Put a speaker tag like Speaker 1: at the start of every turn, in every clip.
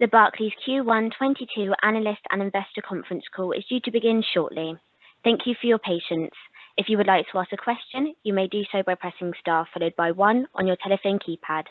Speaker 1: The Barclays Q1 2022 Analyst and Investor Conference Call is due to begin shortly. Thank you for your patience. If you would like to ask a question, you may do so by pressing star followed by one on your telephone keypad.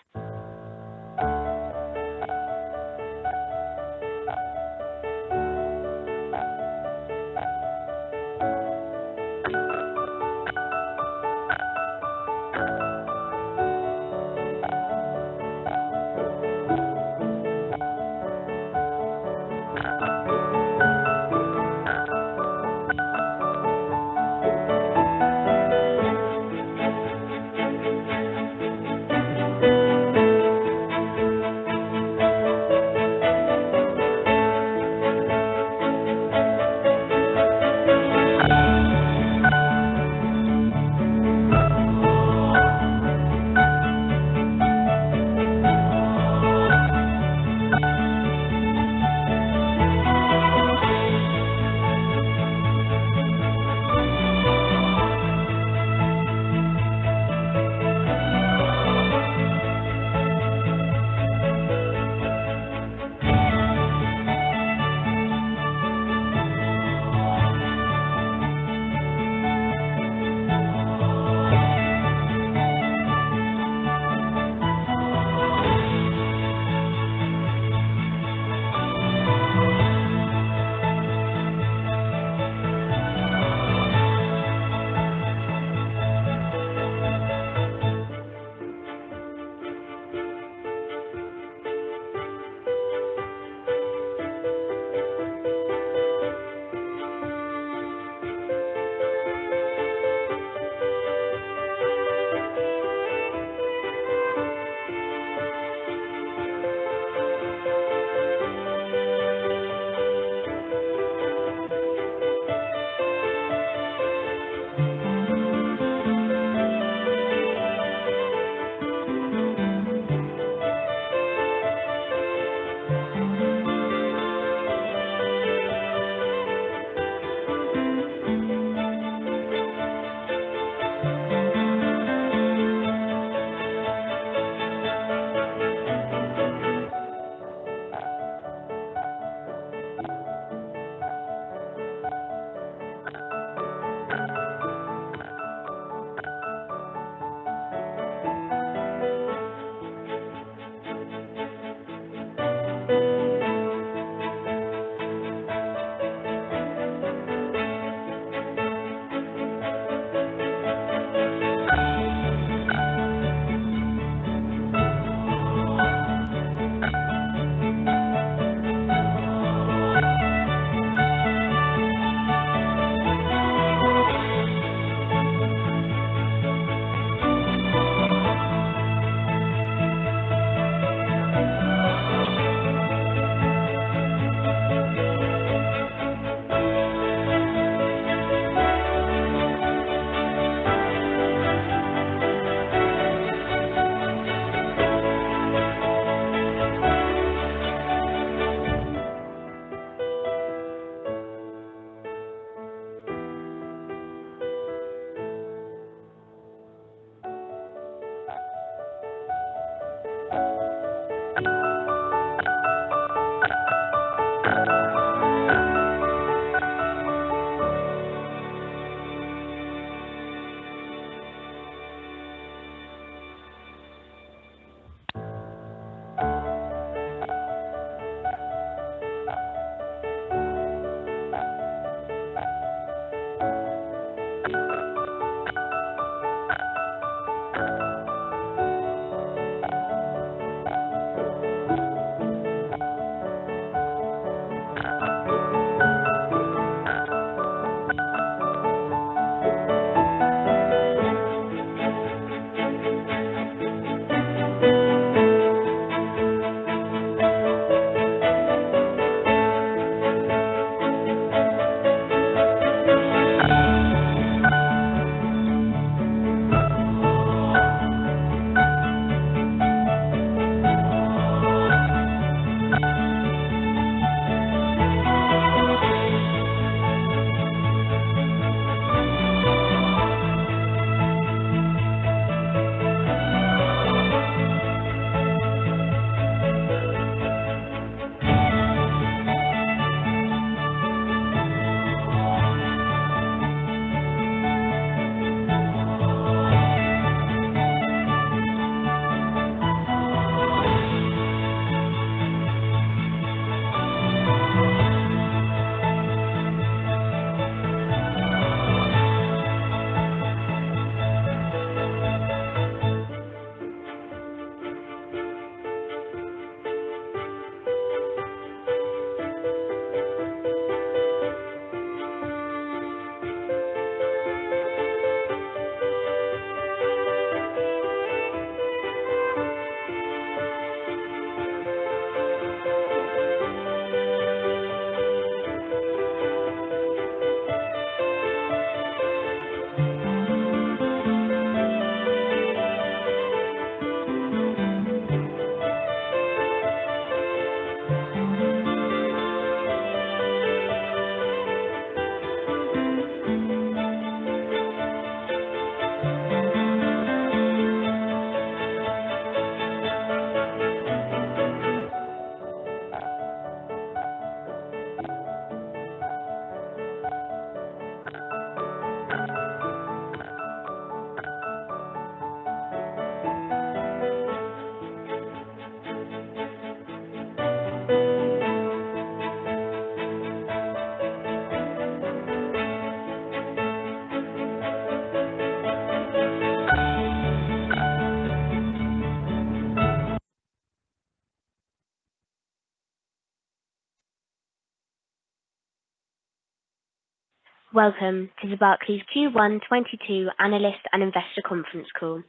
Speaker 1: Welcome to the Barclays Q1 2022 Analyst and Investor Conference Call.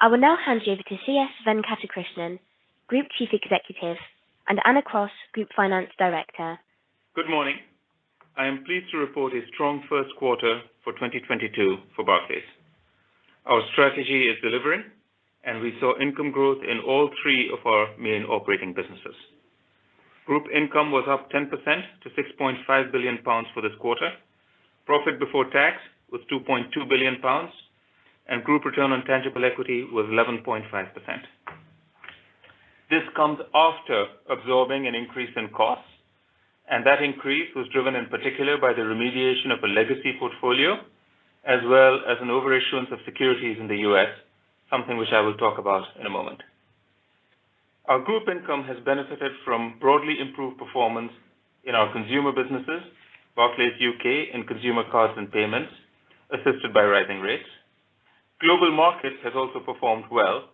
Speaker 1: I will now hand you over to C.S. Venkatakrishnan, Group Chief Executive, and Anna Cross, Group Finance Director.
Speaker 2: Good morning. I am pleased to report a strong first quarter for 2022 for Barclays. Our strategy is delivering, and we saw income growth in all three of our main operating businesses. Group income was up 10% to 6.5 billion pounds for this quarter. Profit before tax was 2.2 billion pounds, and group return on tangible equity was 11.5%. This comes after absorbing an increase in costs, and that increase was driven in particular by the remediation of a legacy portfolio, as well as an overissuance of securities in the U.S., something which I will talk about in a moment. Our group income has benefited from broadly improved performance in our consumer businesses, Barclays UK, and consumer cards and payments, assisted by rising rates. Global markets has also performed well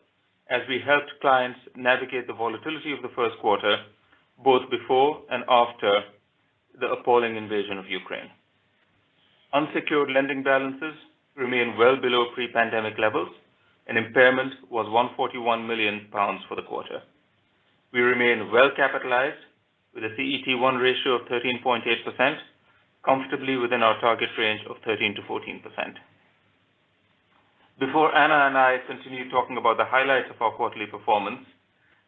Speaker 2: as we helped clients navigate the volatility of the first quarter, both before and after the appalling invasion of Ukraine. Unsecured lending balances remain well below pre-pandemic levels, and impairment was 141 million pounds for the quarter. We remain well capitalized with a CET1 ratio of 13.8%, comfortably within our target range of 13%-14%. Before Anna and I continue talking about the highlights of our quarterly performance,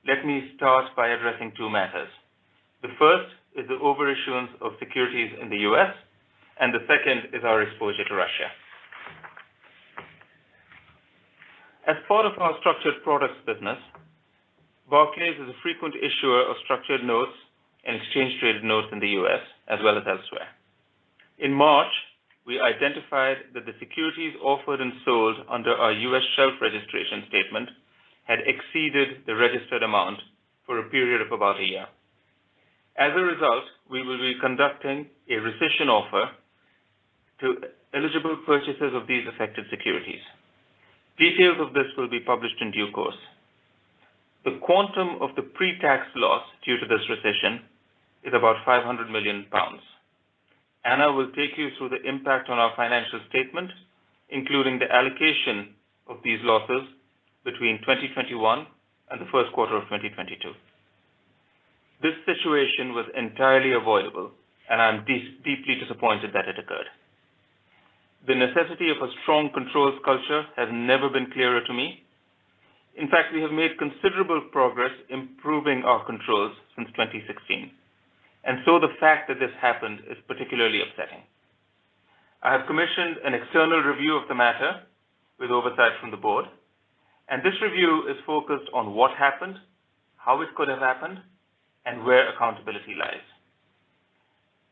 Speaker 2: let me start by addressing two matters. The first is the overissuance of securities in the U.S., and the second is our exposure to Russia. As part of our structured products business, Barclays is a frequent issuer of structured notes and exchange traded notes in the U.S. as well as elsewhere. In March, we identified that the securities offered and sold under our U.S. shelf registration statement had exceeded the registered amount for a period of about a year. As a result, we will be conducting a rescission offer to eligible purchasers of these affected securities. Details of this will be published in due course. The quantum of the pre-tax loss due to this rescission is about 500 million pounds. Anna will take you through the impact on our financial statement, including the allocation of these losses between 2021 and the first quarter of 2022. This situation was entirely avoidable, and I'm deeply disappointed that it occurred. The necessity of a strong controls culture has never been clearer to me. In fact, we have made considerable progress improving our controls since 2016, and so the fact that this happened is particularly upsetting. I have commissioned an external review of the matter with oversight from the board, and this review is focused on what happened, how it could have happened, and where accountability lies.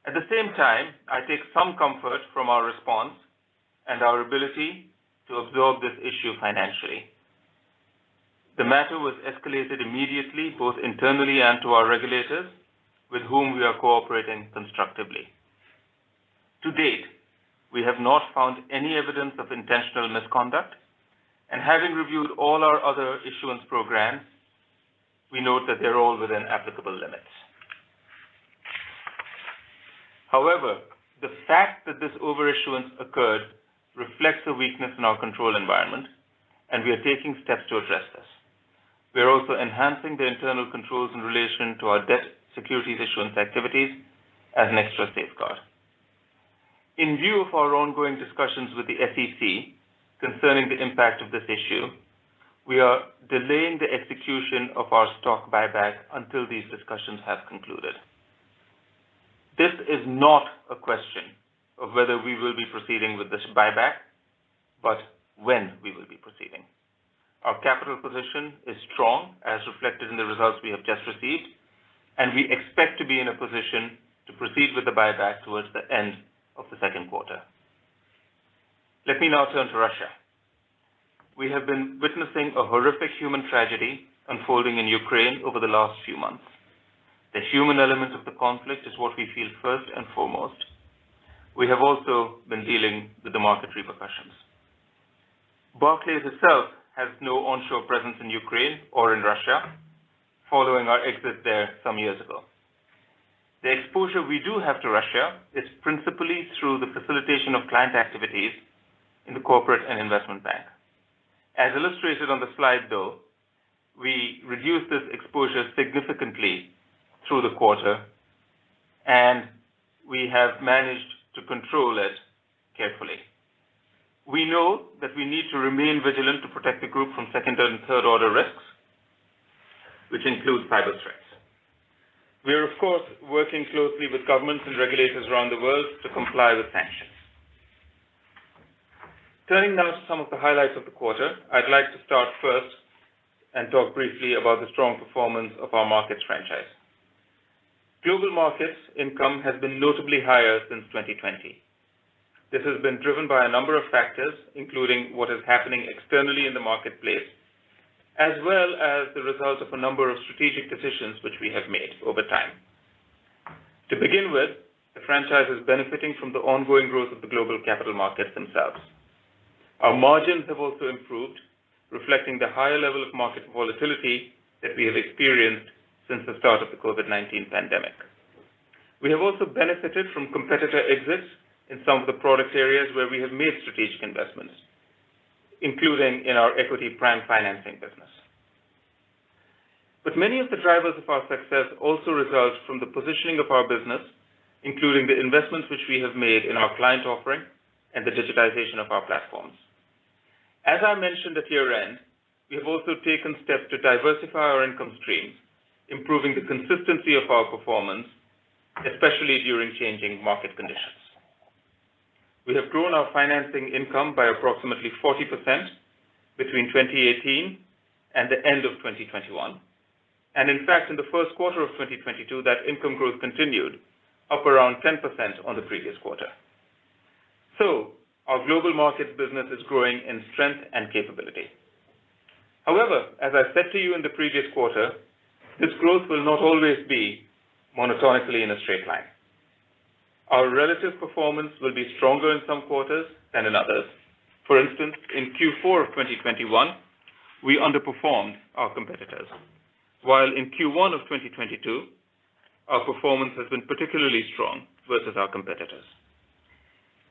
Speaker 2: At the same time, I take some comfort from our response and our ability to absorb this issue financially. The matter was escalated immediately, both internally and to our regulators, with whom we are cooperating constructively. To date, we have not found any evidence of intentional misconduct, and having reviewed all our other issuance programs, we note that they're all within applicable limits. However, the fact that this overissuance occurred reflects a weakness in our control environment, and we are taking steps to address this. We are also enhancing the internal controls in relation to our debt securities issuance activities as an extra safeguard. In view of our ongoing discussions with the SEC concerning the impact of this issue, we are delaying the execution of our stock buyback until these discussions have concluded. This is not a question of whether we will be proceeding with this buyback, but when we will be proceeding. Our capital position is strong as reflected in the results we have just received, and we expect to be in a position to proceed with the buyback towards the end of the second quarter. Let me now turn to Russia. We have been witnessing a horrific human tragedy unfolding in Ukraine over the last few months. The human element of the conflict is what we feel first and foremost. We have also been dealing with the market repercussions. Barclays itself has no onshore presence in Ukraine or in Russia following our exit there some years ago. The exposure we do have to Russia is principally through the facilitation of client activities in the corporate and investment bank. As illustrated on the slide, though, we reduced this exposure significantly through the quarter, and we have managed to control it carefully. We know that we need to remain vigilant to protect the group from second and third order risks, which includes cyber threats. We are of course, working closely with governments and regulators around the world to comply with sanctions. Turning now to some of the highlights of the quarter, I'd like to start first and talk briefly about the strong performance of our markets franchise. Global markets income has been notably higher since 2020. This has been driven by a number of factors, including what is happening externally in the marketplace, as well as the result of a number of strategic decisions which we have made over time. To begin with, the franchise is benefiting from the ongoing growth of the global capital markets themselves. Our margins have also improved, reflecting the higher level of market volatility that we have experienced since the start of the COVID-19 pandemic. We have also benefited from competitor exits in some of the product areas where we have made strategic investments, including in our equity prime financing business. But many of the drivers of our success also result from the positioning of our business, including the investments which we have made in our client offering and the digitization of our platforms. As I mentioned at year-end, we have also taken steps to diversify our income streams, improving the consistency of our performance, especially during changing market conditions. We have grown our financing income by approximately 40% between 2018 and the end of 2021. In fact, in the first quarter of 2022, that income growth continued up around 10% on the previous quarter. Our global markets business is growing in strength and capability. However, as I said to you in the previous quarter, this growth will not always be monotonically in a straight line. Our relative performance will be stronger in some quarters than in others. For instance, in Q4 of 2021, we underperformed our competitors, while in Q1 of 2022, our performance has been particularly strong versus our competitors.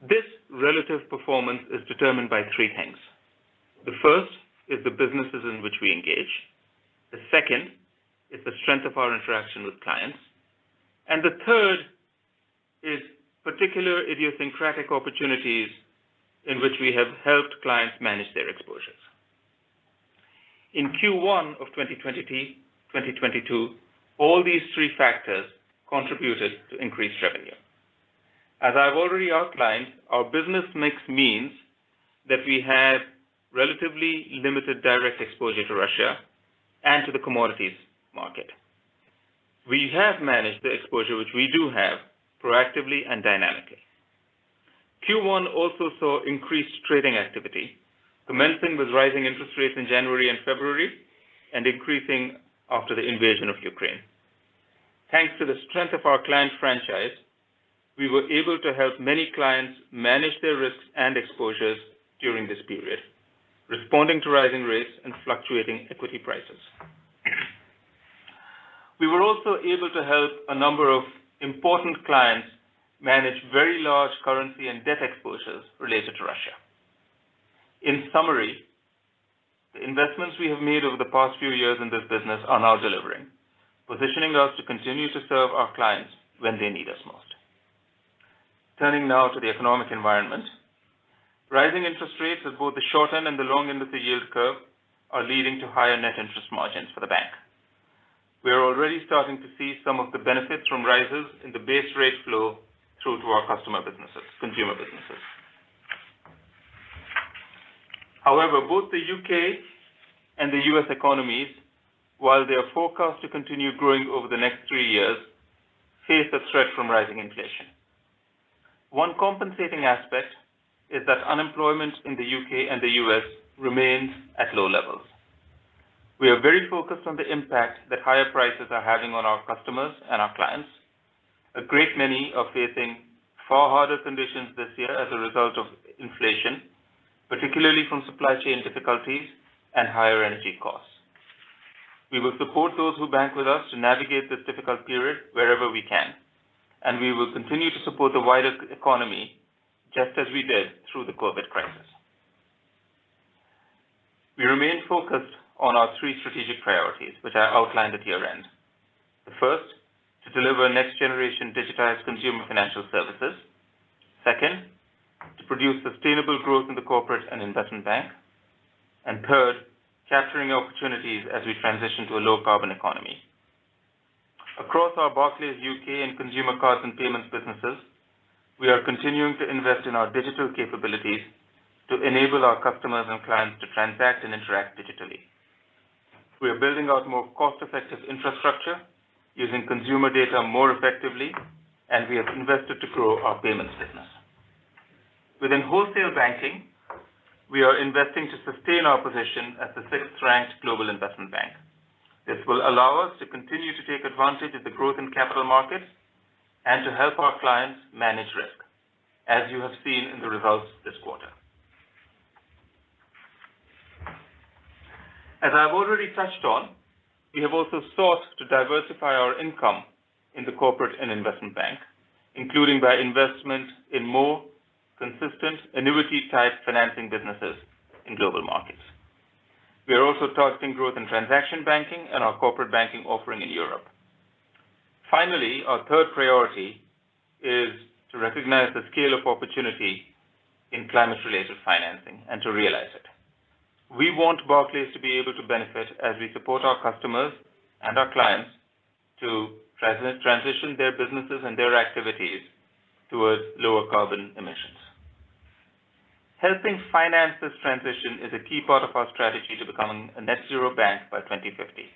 Speaker 2: This relative performance is determined by three things. The first is the businesses in which we engage. The second is the strength of our interaction with clients. And the third is particular idiosyncratic opportunities in which we have helped clients manage their exposures. In Q1 of 2022, all these three factors contributed to increased revenue. As I've already outlined, our business mix means that we have relatively limited direct exposure to Russia and to the commodities market. We have managed the exposure which we do have proactively and dynamically. Q1 also saw increased trading activity, commencing with rising interest rates in January and February, and increasing after the invasion of Ukraine. Thanks to the strength of our client franchise, we were able to help many clients manage their risks and exposures during this period, responding to rising rates and fluctuating equity prices. We were also able to help a number of important clients manage very large currency and debt exposures related to Russia. In summary, the investments we have made over the past few years in this business are now delivering, positioning us to continue to serve our clients when they need us most. Turning now to the economic environment. Rising interest rates at both the short end and the long end of the yield curve are leading to higher net interest margins for the bank. We are already starting to see some of the benefits from rises in the base rate flow through to our customer businesses, consumer businesses. However, both the U.K. and the U.S. economies, while they are forecast to continue growing over the next three years, face a threat from rising inflation. One compensating aspect is that unemployment in the U.K. and the U.S. remains at low levels. We are very focused on the impact that higher prices are having on our customers and our clients. A great many are facing far harder conditions this year as a result of inflation, particularly from supply chain difficulties and higher energy costs. We will support those who bank with us to navigate this difficult period wherever we can, and we will continue to support the wider economy, just as we did through the COVID crisis. We remain focused on our three strategic priorities, which I outlined at year-end. The first, to deliver next generation digitized consumer financial services. Second, to produce sustainable growth in the corporate and investment bank. Third, capturing opportunities as we transition to a low carbon economy. Across our Barclays UK and consumer cards and payments businesses, we are continuing to invest in our digital capabilities to enable our customers and clients to transact and interact digitally. We are building out more cost-effective infrastructure using consumer data more effectively, and we have invested to grow our payments business. Within wholesale banking, we are investing to sustain our position as the sixth-ranked global investment bank. This will allow us to continue to take advantage of the growth in capital markets and to help our clients manage risk, as you have seen in the results this quarter. As I've already touched on, we have also sought to diversify our income in the corporate and investment bank, including by investment in more consistent annuity type financing businesses in global markets. We are also targeting growth in transaction banking and our corporate banking offering in Europe. Finally, our third priority is to recognize the scale of opportunity in climate related financing and to realize it. We want Barclays to be able to benefit as we support our customers and our clients to transition their businesses and their activities towards lower carbon emissions. Helping finance this transition is a key part of our strategy to becoming a net zero bank by 2050.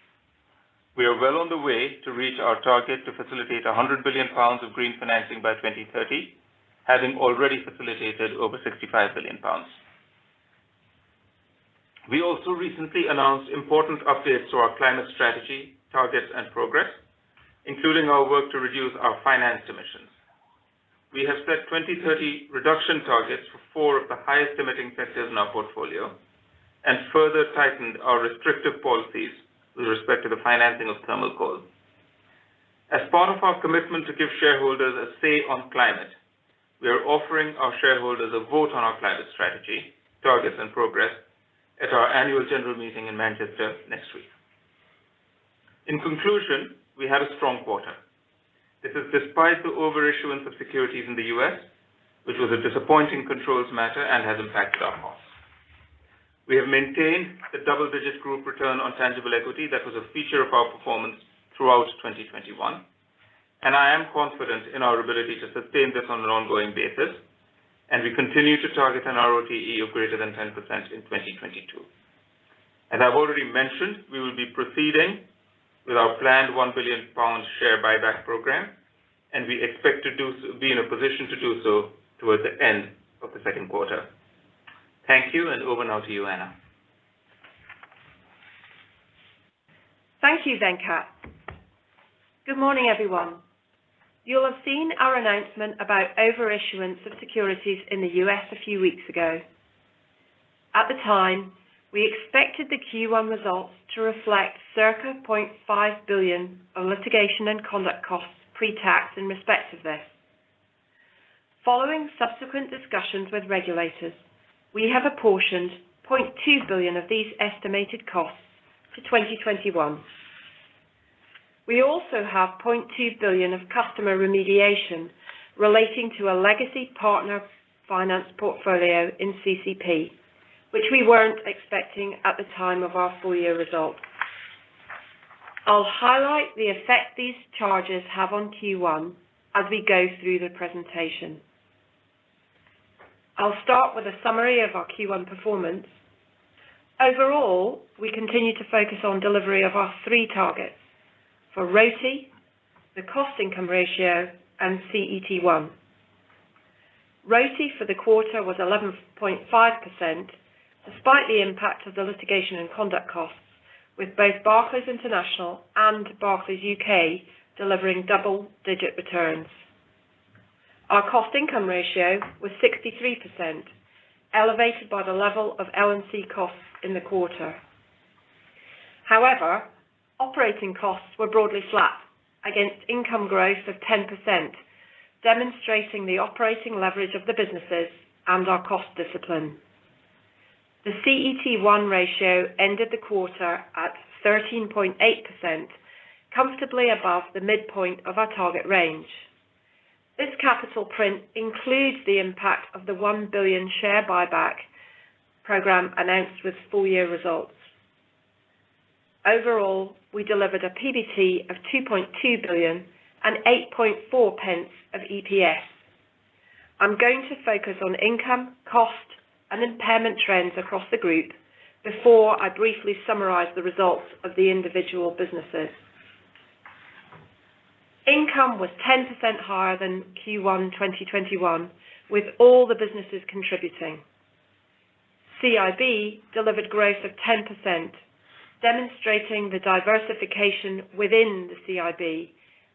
Speaker 2: We are well on the way to reach our target to facilitate 100 billion pounds of green financing by 2030, having already facilitated over 65 billion pounds. We also recently announced important updates to our climate strategy, targets and progress, including our work to reduce our finance emissions. We have set 2030 reduction targets for four of the highest emitting sectors in our portfolio and further tightened our restrictive policies with respect to the financing of thermal coal. As part of our commitment to give shareholders a say on climate, we are offering our shareholders a vote on our climate strategy, targets and progress at our annual general meeting in Manchester next week. In conclusion, we had a strong quarter. This is despite the overissuance of securities in the U.S., which was a disappointing controls matter and has impacted our costs. We have maintained the double-digit group return on tangible equity that was a feature of our performance throughout 2021, and I am confident in our ability to sustain this on an ongoing basis, and we continue to target an ROTE of greater than 10% in 2022. As I've already mentioned, we will be proceeding with our planned 1 billion pound share buyback program, and we expect to be in a position to do so towards the end of the second quarter. Thank you, and over now to you, Anna.
Speaker 3: Thank you, Venkat. Good morning, everyone. You'll have seen our announcement about overissuance of securities in the U.S. a few weeks ago. At the time, we expected the Q1 results to reflect circa 0.5 billion of litigation and conduct costs pre-tax in respect of this. Following subsequent discussions with regulators, we have apportioned 0.2 billion of these estimated costs to 2021. We also have 0.2 billion of customer remediation relating to a legacy partner finance portfolio in CCP, which we weren't expecting at the time of our full year results. I'll highlight the effect these charges have on Q1 as we go through the presentation. I'll start with a summary of our Q1 performance. Overall, we continue to focus on delivery of our three targets for ROTE, the cost income ratio, and CET1. ROTE for the quarter was 11.5% despite the impact of the litigation and conduct costs with both Barclays International and Barclays UK delivering double-digit returns. Our cost income ratio was 63%, elevated by the level of L&C costs in the quarter. However, operating costs were broadly flat against income growth of 10%, demonstrating the operating leverage of the businesses and our cost discipline. The CET1 ratio ended the quarter at 13.8%, comfortably above the midpoint of our target range. This capital print includes the impact of the one billion share buyback program announced with full year results. Overall, we delivered a PBT of 2.2 billion and 0.084 of EPS. I'm going to focus on income, cost, and impairment trends across the group before I briefly summarize the results of the individual businesses. Income was 10% higher than Q1 2021, with all the businesses contributing. CIB delivered growth of 10%, demonstrating the diversification within the CIB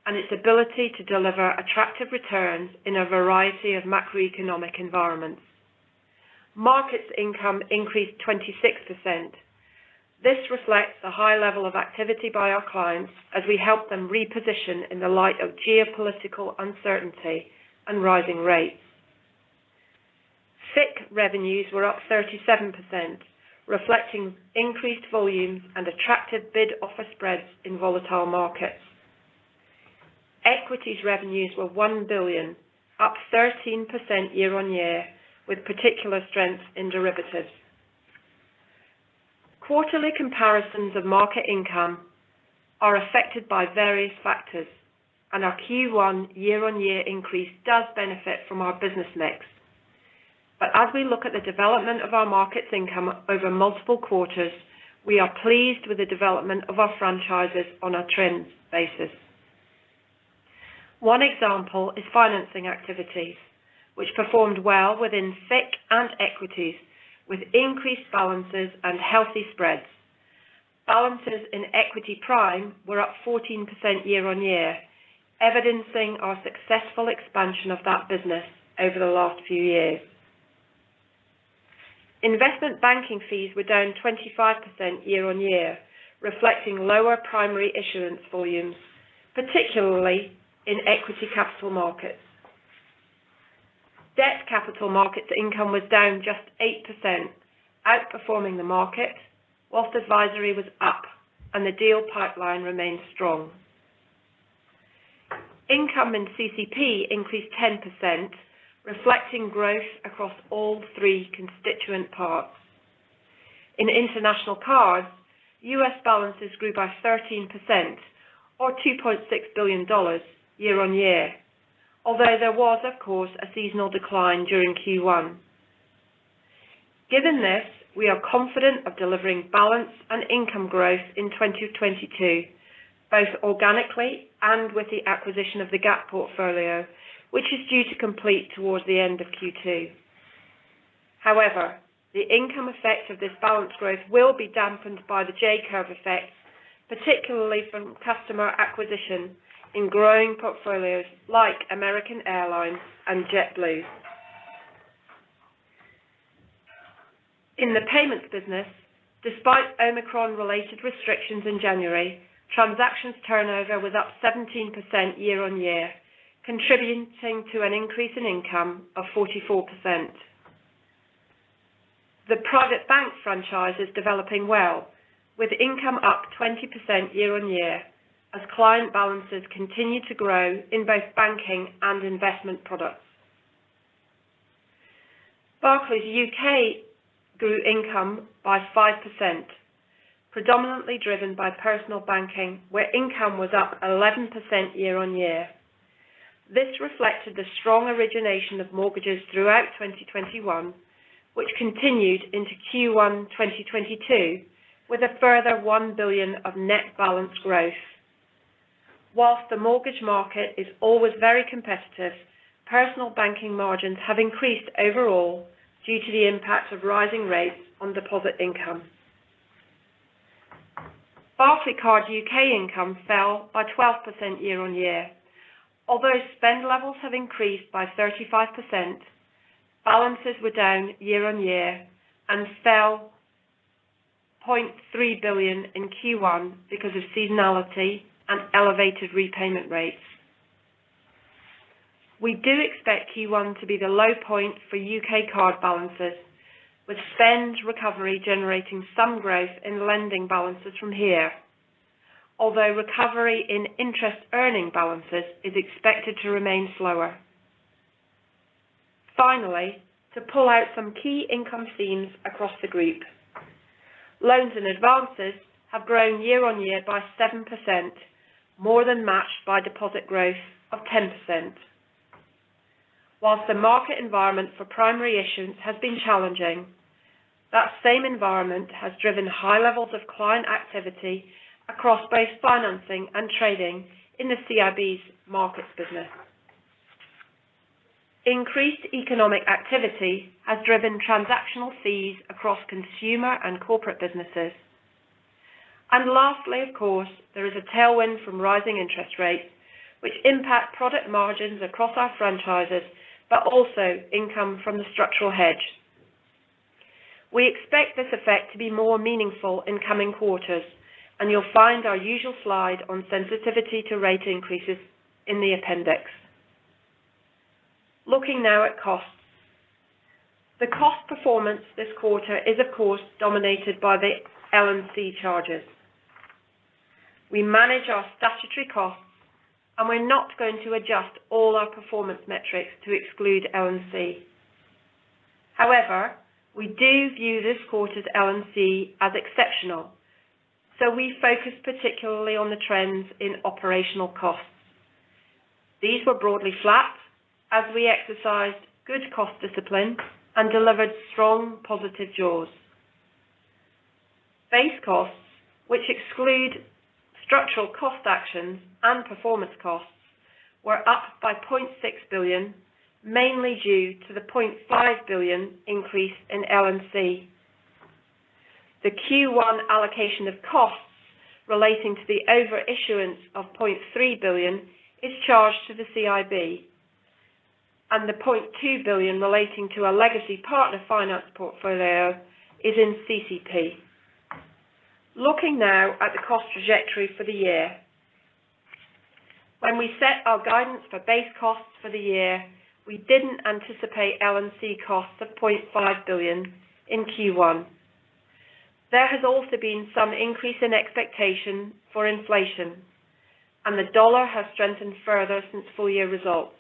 Speaker 3: and its ability to deliver attractive returns in a variety of macroeconomic environments. Markets income increased 26%. This reflects the high level of activity by our clients as we help them reposition in the light of geopolitical uncertainty and rising rates. FICC revenues were up 37%, reflecting increased volumes and attractive bid offer spreads in volatile markets. Equities revenues were 1 billion, up 13% year-on-year, with particular strength in derivatives. Quarterly comparisons of market income are affected by various factors, and our Q1 year-on-year increase does benefit from our business mix. As we look at the development of our markets income over multiple quarters, we are pleased with the development of our franchises on a trends basis. One example is financing activities, which performed well within FICC and equities, with increased balances and healthy spreads. Balances in equity prime were up 14% year-on-year, evidencing our successful expansion of that business over the last few years. Investment banking fees were down 25% year-on-year, reflecting lower primary issuance volumes, particularly in equity capital markets. Debt capital markets income was down just 8%, outperforming the market, while advisory was up and the deal pipeline remained strong. Income in CCP increased 10%, reflecting growth across all three constituent parts. In international cards, U.S. balances grew by 13% or $2.6 billion year-on-year. Although there was, of course, a seasonal decline during Q1. Given this, we are confident of delivering balance and income growth in 2022, both organically and with the acquisition of the Gap portfolio, which is due to complete towards the end of Q2. However, the income effect of this balance growth will be dampened by the J-curve effect, particularly from customer acquisition in growing portfolios like American Airlines and JetBlue. In the payments business, despite Omicron-related restrictions in January, transactions turnover was up 17% year-on-year, contributing to an increase in income of 44%. The private bank franchise is developing well with income up 20% year-on-year as client balances continue to grow in both banking and investment products. Barclays UK grew income by 5%, predominantly driven by personal banking, where income was up 11% year-on-year. This reflected the strong origination of mortgages throughout 2021, which continued into Q1 2022 with a further 1 billion of net balance growth. While the mortgage market is always very competitive, personal banking margins have increased overall due to the impact of rising rates on deposit income. Barclaycard U.K. income fell by 12% year-on-year. Although spend levels have increased by 35%, balances were down year-on-year and fell 0.3 billion in Q1 because of seasonality and elevated repayment rates. We do expect Q1 to be the low point for U.K. card balances, with spend recovery generating some growth in lending balances from here. Although recovery in interest earning balances is expected to remain slower. Finally, to pull out some key income themes across the group. Loans and advances have grown year-on-year by 7%, more than matched by deposit growth of 10%. While the market environment for primary issuance has been challenging, that same environment has driven high levels of client activity across both financing and trading in the CIB's markets business. Increased economic activity has driven transactional fees across consumer and corporate businesses. Lastly, of course, there is a tailwind from rising interest rates, which impact product margins across our franchises, but also income from the structural hedge. We expect this effect to be more meaningful in coming quarters, and you'll find our usual slide on sensitivity to rate increases in the appendix. Looking now at costs. The cost performance this quarter is of course dominated by the L&C charges. We manage our statutory costs, and we're not going to adjust all our performance metrics to exclude L&C. However, we do view this quarter's L&C as exceptional, so we focus particularly on the trends in operational costs. These were broadly flat as we exercised good cost discipline and delivered strong positive jaws. Base costs, which exclude structural cost actions and performance costs, were up by 0.6 billion, mainly due to the 0.5 billion increase in L&C. The Q1 allocation of costs relating to the overissuance of 0.3 billion is charged to the CIB, and the 0.2 billion relating to our legacy partner finance portfolio is in CCP. Looking now at the cost trajectory for the year. When we set our guidance for base costs for the year, we didn't anticipate L&C costs of 0.5 billion in Q1. There has also been some increase in expectation for inflation, and the dollar has strengthened further since full year results.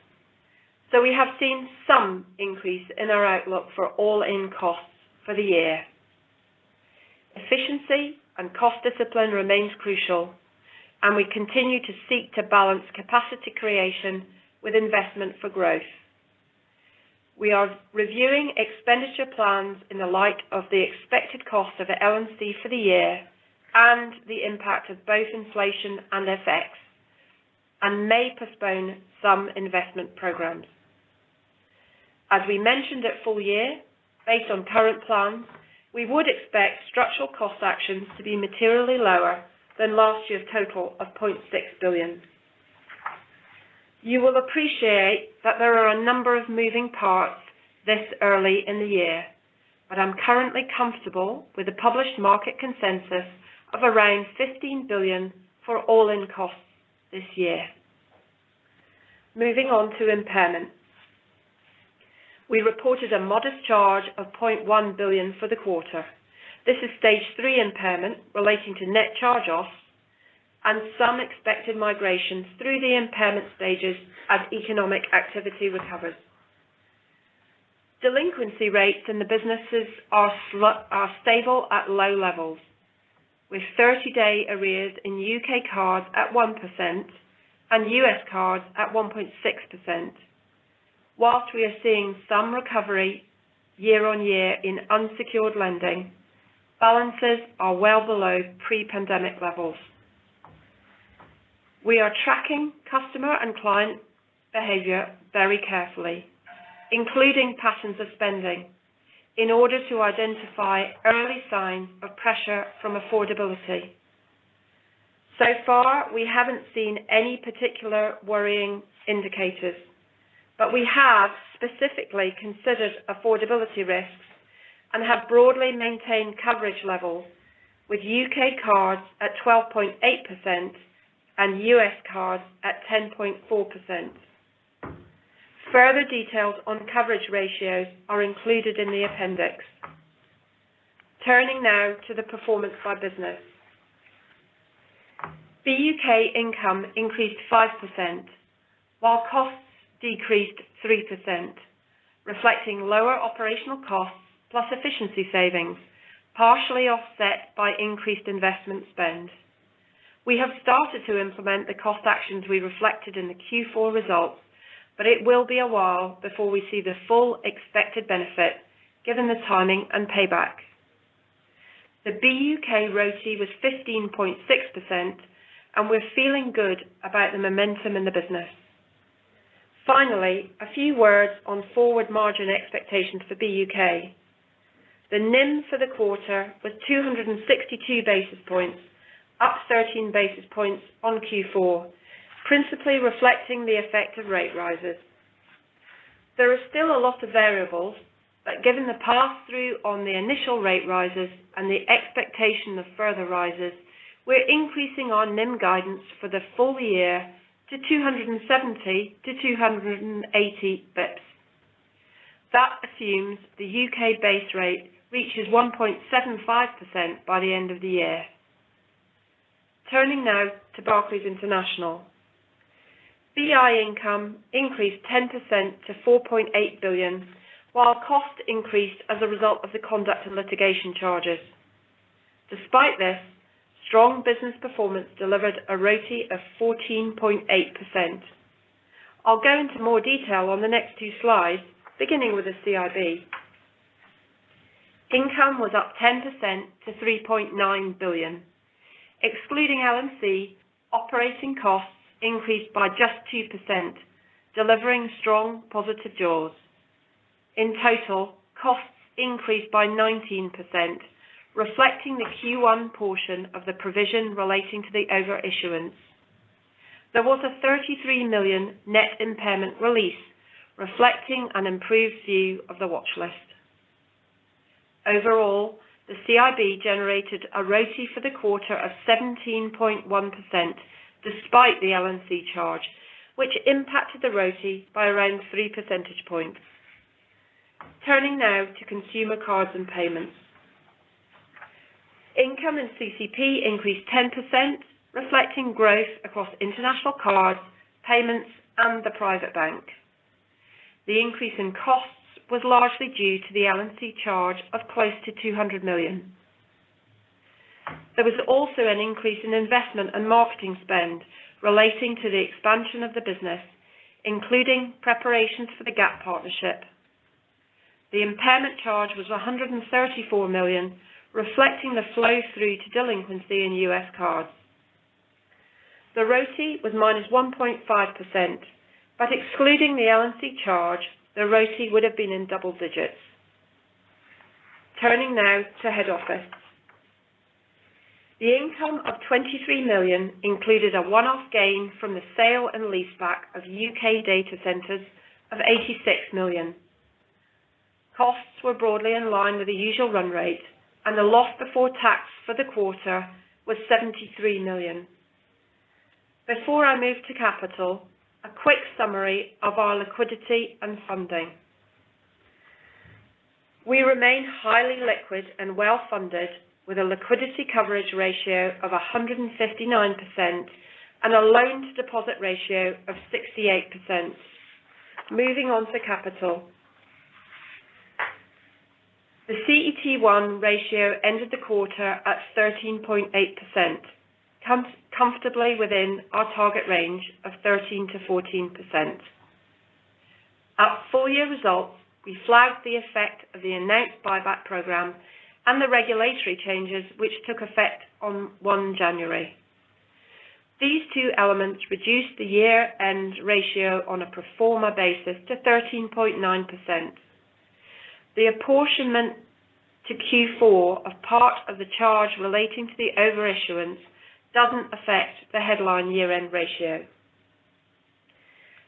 Speaker 3: We have seen some increase in our outlook for all-in costs for the year. Efficiency and cost discipline remains crucial, and we continue to seek to balance capacity creation with investment for growth. We are reviewing expenditure plans in the light of the expected cost of L&C for the year and the impact of both inflation and FX, and may postpone some investment programs. As we mentioned at full year, based on current plans, we would expect structural cost actions to be materially lower than last year's total of 0.6 billion. You will appreciate that there are a number of moving parts this early in the year. I'm currently comfortable with the published market consensus of around 15 billion for all-in costs this year. Moving on to impairments. We reported a modest charge of 0.1 billion for the quarter. This is stage three impairment relating to net charge-offs and some expected migrations through the impairment stages as economic activity recovers. Delinquency rates in the businesses are stable at low levels, with thirty-day arrears in U.K. cards at 1% and U.S. cards at 1.6%. While we are seeing some recovery year-on-year in unsecured lending, balances are well below pre-pandemic levels. We are tracking customer and client behavior very carefully, including patterns of spending, in order to identify early signs of pressure from affordability. So far, we haven't seen any particular worrying indicators, but we have specifically considered affordability risks and have broadly maintained coverage levels with U.K. cards at 12.8% and U.S. cards at 10.4%. Further details on coverage ratios are included in the appendix. Turning now to the performance by business. BUK income increased 5%, while costs decreased 3%, reflecting lower operational costs plus efficiency savings, partially offset by increased investment spend. We have started to implement the cost actions we reflected in the Q4 results, but it will be a while before we see the full expected benefit given the timing and payback. The BUK ROTCE was 15.6%, and we're feeling good about the momentum in the business. Finally, a few words on forward margin expectations for BUK. The NIM for the quarter was 262 basis points, up 13 basis points on Q4, principally reflecting the effect of rate rises. There are still a lot of variables, but given the pass-through on the initial rate rises and the expectation of further rises, we're increasing our NIM guidance for the full year to 270-280 basis points. That assumes the U.K. base rate reaches 1.75% by the end of the year. Turning now to Barclays International. BI income increased 10% to 4.8 billion, while costs increased as a result of the conduct and litigation charges. Despite this, strong business performance delivered a ROTCE of 14.8%. I'll go into more detail on the next two slides, beginning with the CIB. Income was up 10% to 3.9 billion. Excluding L&C, operating costs increased by just 2%, delivering strong positive jaws. In total, costs increased by 19%, reflecting the Q1 portion of the provision relating to the overissuance. There was a 33 million net impairment release reflecting an improved view of the watchlist. Overall, the CIB generated a ROTCE for the quarter of 17.1%, despite the L&C charge, which impacted the ROTCE by around three percentage points. Turning now to Consumer Cards and Payments. Income in CCP increased 10%, reflecting growth across international cards, payments, and the private bank. The increase in costs was largely due to the L&C charge of close to 200 million. There was also an increase in investment and marketing spend relating to the expansion of the business, including preparations for the Gap partnership. The impairment charge was 134 million, reflecting the flow through to delinquency in U.S. cards. The ROTCE was -1.5%, but excluding the L&C charge, the ROTCE would have been in double digits. Turning now to Head Office. The income of 23 million included a one-off gain from the sale and leaseback of U.K. data centers of 86 million. Costs were broadly in line with the usual run rate, and the loss before tax for the quarter was 73 million. Before I move to capital, a quick summary of our liquidity and funding. We remain highly liquid and well funded with a liquidity coverage ratio of 159% and a loan to deposit ratio of 68%. Moving on to capital. The CET1 ratio ended the quarter at 13.8%, comfortably within our target range of 13%-14%. At full year results, we flagged the effect of the announced buyback program and the regulatory changes which took effect on 1st January. These two elements reduced the year-end ratio on a pro forma basis to 13.9%. The apportionment to Q4 of part of the charge relating to the overissuance doesn't affect the headline year-end ratio.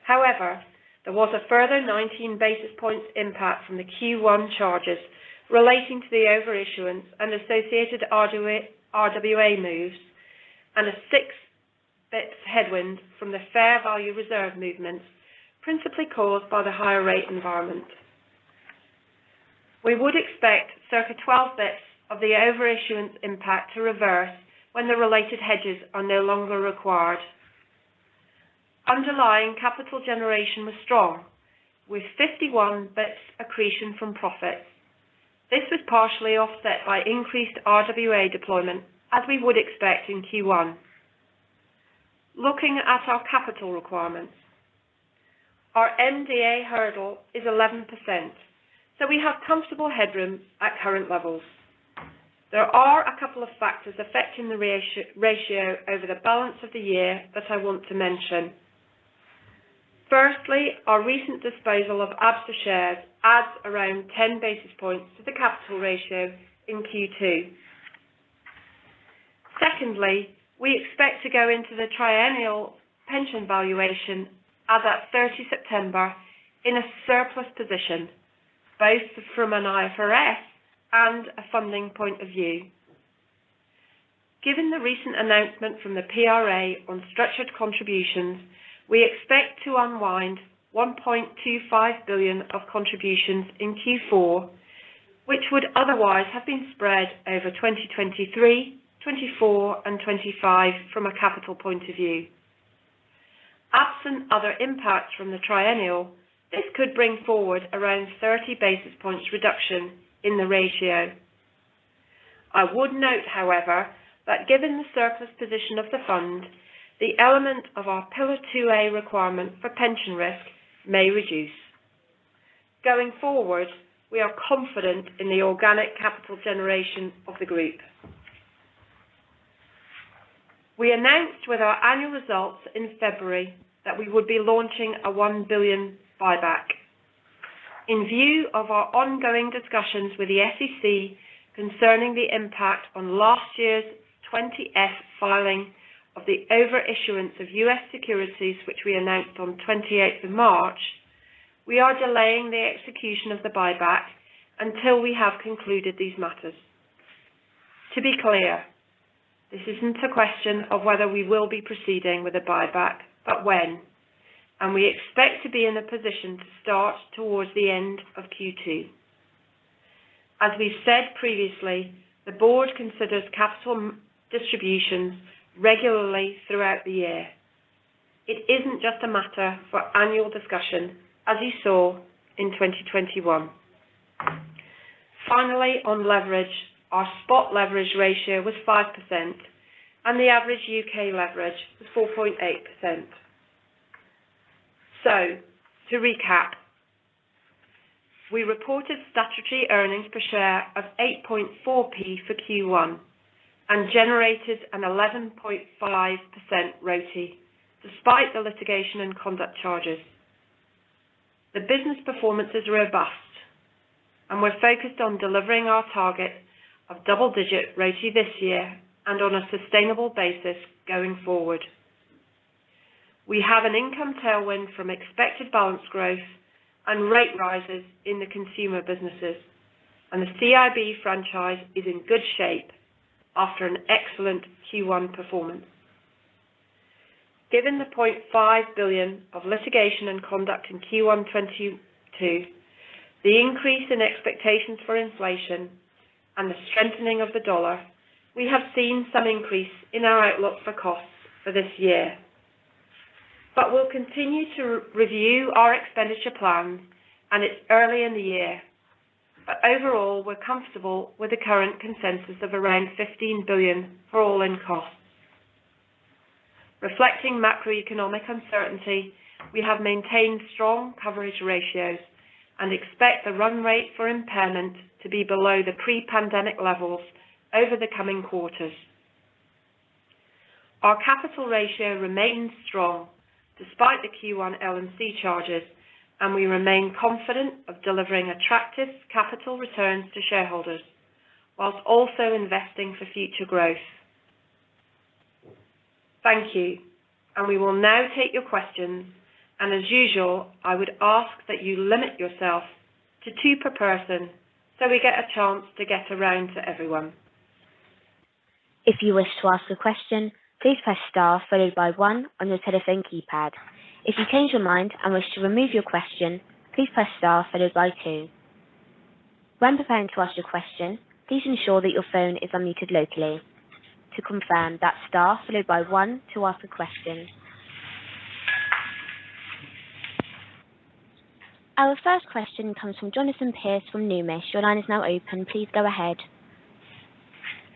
Speaker 3: However, there was a further 19 basis points impact from the Q1 charges relating to the over issuance and associated RWA moves and a six basis points headwind from the fair value reserve movements, principally caused by the higher rate environment. We would expect circa 12 basis points of the over issuance impact to reverse when the related hedges are no longer required. Underlying capital generation was strong, with 51 basis points accretion from profits. This was partially offset by increased RWA deployment, as we would expect in Q1. Looking at our capital requirements. Our MDA hurdle is 11%, so we have comfortable headroom at current levels. There are a couple of factors affecting the ratio over the balance of the year that I want to mention. Firstly, our recent disposal of Absa shares adds around 10 basis points to the capital ratio in Q2. Secondly, we expect to go into the triennial pension valuation as of 30th September in a surplus position, both from an IFRS and a funding point of view. Given the recent announcement from the PRA on structured contributions, we expect to unwind 1.25 billion of contributions in Q4, which would otherwise have been spread over 2023, 2024, and 2025 from a capital point of view. Absent other impacts from the triennial, this could bring forward around 30 basis points reduction in the ratio. I would note, however, that given the surplus position of the fund, the element of our Pillar 2A requirement for pension risk may reduce. Going forward, we are confident in the organic capital generation of the group. We announced with our annual results in February that we would be launching a 1 billion buyback. In view of our ongoing discussions with the SEC concerning the impact on last year's 20-F filing of the over issuance of U.S. securities, which we announced on 28th of March, we are delaying the execution of the buyback until we have concluded these matters. To be clear, this isn't a question of whether we will be proceeding with a buyback, but when. We expect to be in a position to start towards the end of Q2. As we said previously, the board considers capital distributions regularly throughout the year. It isn't just a matter for annual discussion, as you saw in 2021. Finally, on leverage, our spot leverage ratio was 5% and the average U.K. leverage was 4.8%. To recap, we reported statutory earnings per share of 0.084 for Q1 and generated an 11.5% ROTE despite the litigation and conduct charges. The business performance is robust and we're focused on delivering our target of double-digit ROTE this year and on a sustainable basis going forward. We have an income tailwind from expected balance growth and rate rises in the consumer businesses, and the CIB franchise is in good shape after an excellent Q1 performance. Given the 0.5 billion of litigation and conduct in Q1 2022, the increase in expectations for inflation and the strengthening of the dollar, we have seen some increase in our outlook for costs for this year. We'll continue to review our expenditure plans, and it's early in the year. Overall, we're comfortable with the current consensus of around 15 billion for all-in costs. Reflecting macroeconomic uncertainty, we have maintained strong coverage ratios and expect the run rate for impairment to be below the pre-pandemic levels over the coming quarters. Our capital ratio remains strong despite the Q1 L&C charges, and we remain confident of delivering attractive capital returns to shareholders while also investing for future growth. Thank you, and we will now take your questions. As usual, I would ask that you limit yourself to two per person so we get a chance to get around to everyone.
Speaker 1: If you wish to ask a question, please press star followed by one on your telephone keypad. If you change your mind and wish to remove your question, please press star followed by two. When preparing to ask your question, please ensure that your phone is unmuted locally. To confirm, that's star followed by one to ask a question. Our first question comes from Jonathan Pierce from Numis. Your line is now open. Please go ahead.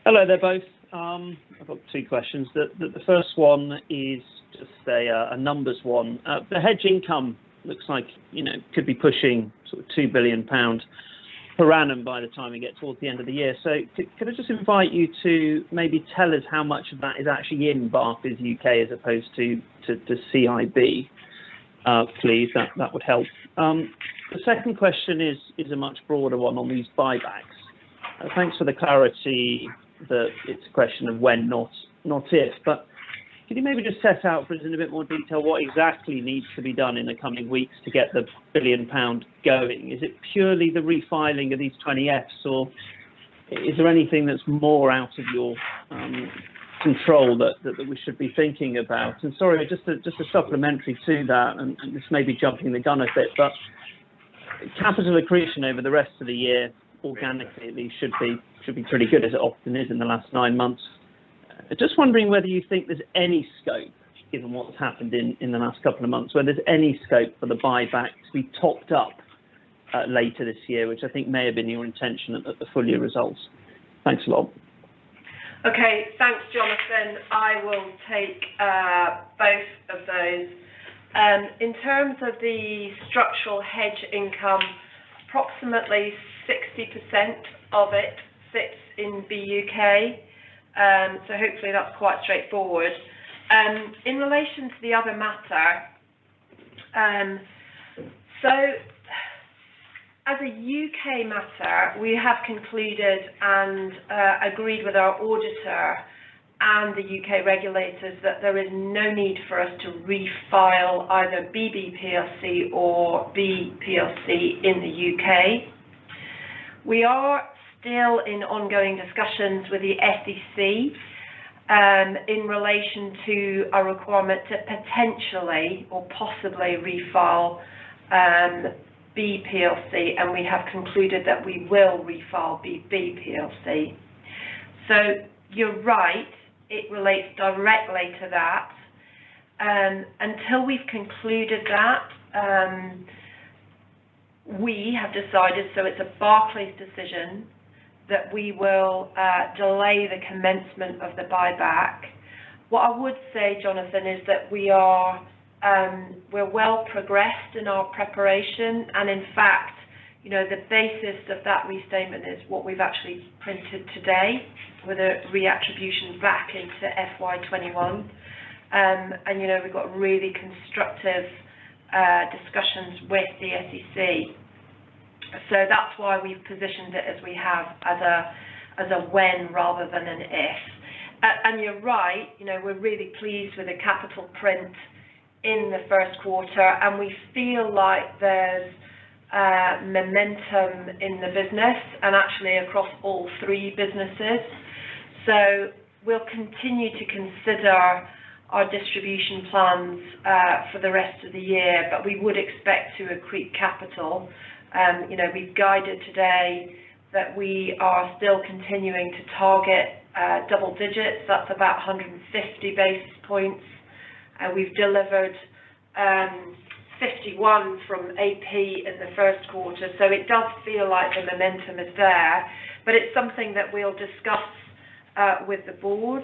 Speaker 4: Hello there both. I've got two questions. The first one is just a numbers one. The hedge income looks like, you know, could be pushing sort of 2 billion pounds per annum by the time we get towards the end of the year. Could I just invite you to maybe tell us how much of that is actually in Barclays UK as opposed to CIB, please? That would help. The second question is a much broader one on these buybacks. Thanks for the clarity that it's a question of when, not if. But can you maybe just set out for us in a bit more detail what exactly needs to be done in the coming weeks to get the 1 billion pound going? Is it purely the refiling of these 20-Fs, or is there anything that's more out of your control that we should be thinking about? Sorry, just a supplementary to that, and this may be jumping the gun a bit, but capital accretion over the rest of the year organically should be pretty good as it often is in the last nine months. Just wondering whether you think there's any scope, given what's happened in the last couple of months, whether there's any scope for the buyback to be topped up later this year, which I think may have been your intention at the full year results? Thanks a lot.
Speaker 3: Okay. Thanks, Jonathan. I will take both of those. In terms of the structural hedge income, approximately 60% of it sits in the U.K., so hopefully that's quite straightforward. In relation to the other matter, so as a U.K. matter, we have concluded and agreed with our auditor and the U.K. regulators that there is no need for us to refile either Barclays Bank PLC or Barclays PLC in the U.K. We are still in ongoing discussions with the SEC, in relation to a requirement to potentially or possibly refile, Barclays PLC, and we have concluded that we will refile Barclays Bank PLC. So you're right, it relates directly to that. Until we've concluded that, we have decided, so it's a Barclays decision, that we will delay the commencement of the buyback. What I would say, Jonathan, is that we are, we're well progressed in our preparation. In fact, you know, the basis of that restatement is what we've actually printed today with a reattribution back into FY 2021. You know, we've got really constructive discussions with the SEC. That's why we've positioned it as we have as a when rather than an if. You're right, you know, we're really pleased with the capital print in the first quarter, and we feel like there's momentum in the business and actually across all three businesses. We'll continue to consider our distribution plans for the rest of the year, but we would expect to accrete capital. You know, we've guided today that we are still continuing to target double digits. That's about 150 basis points. We've delivered 51 basis points from AP in the first quarter. It does feel like the momentum is there. It's something that we'll discuss with the board.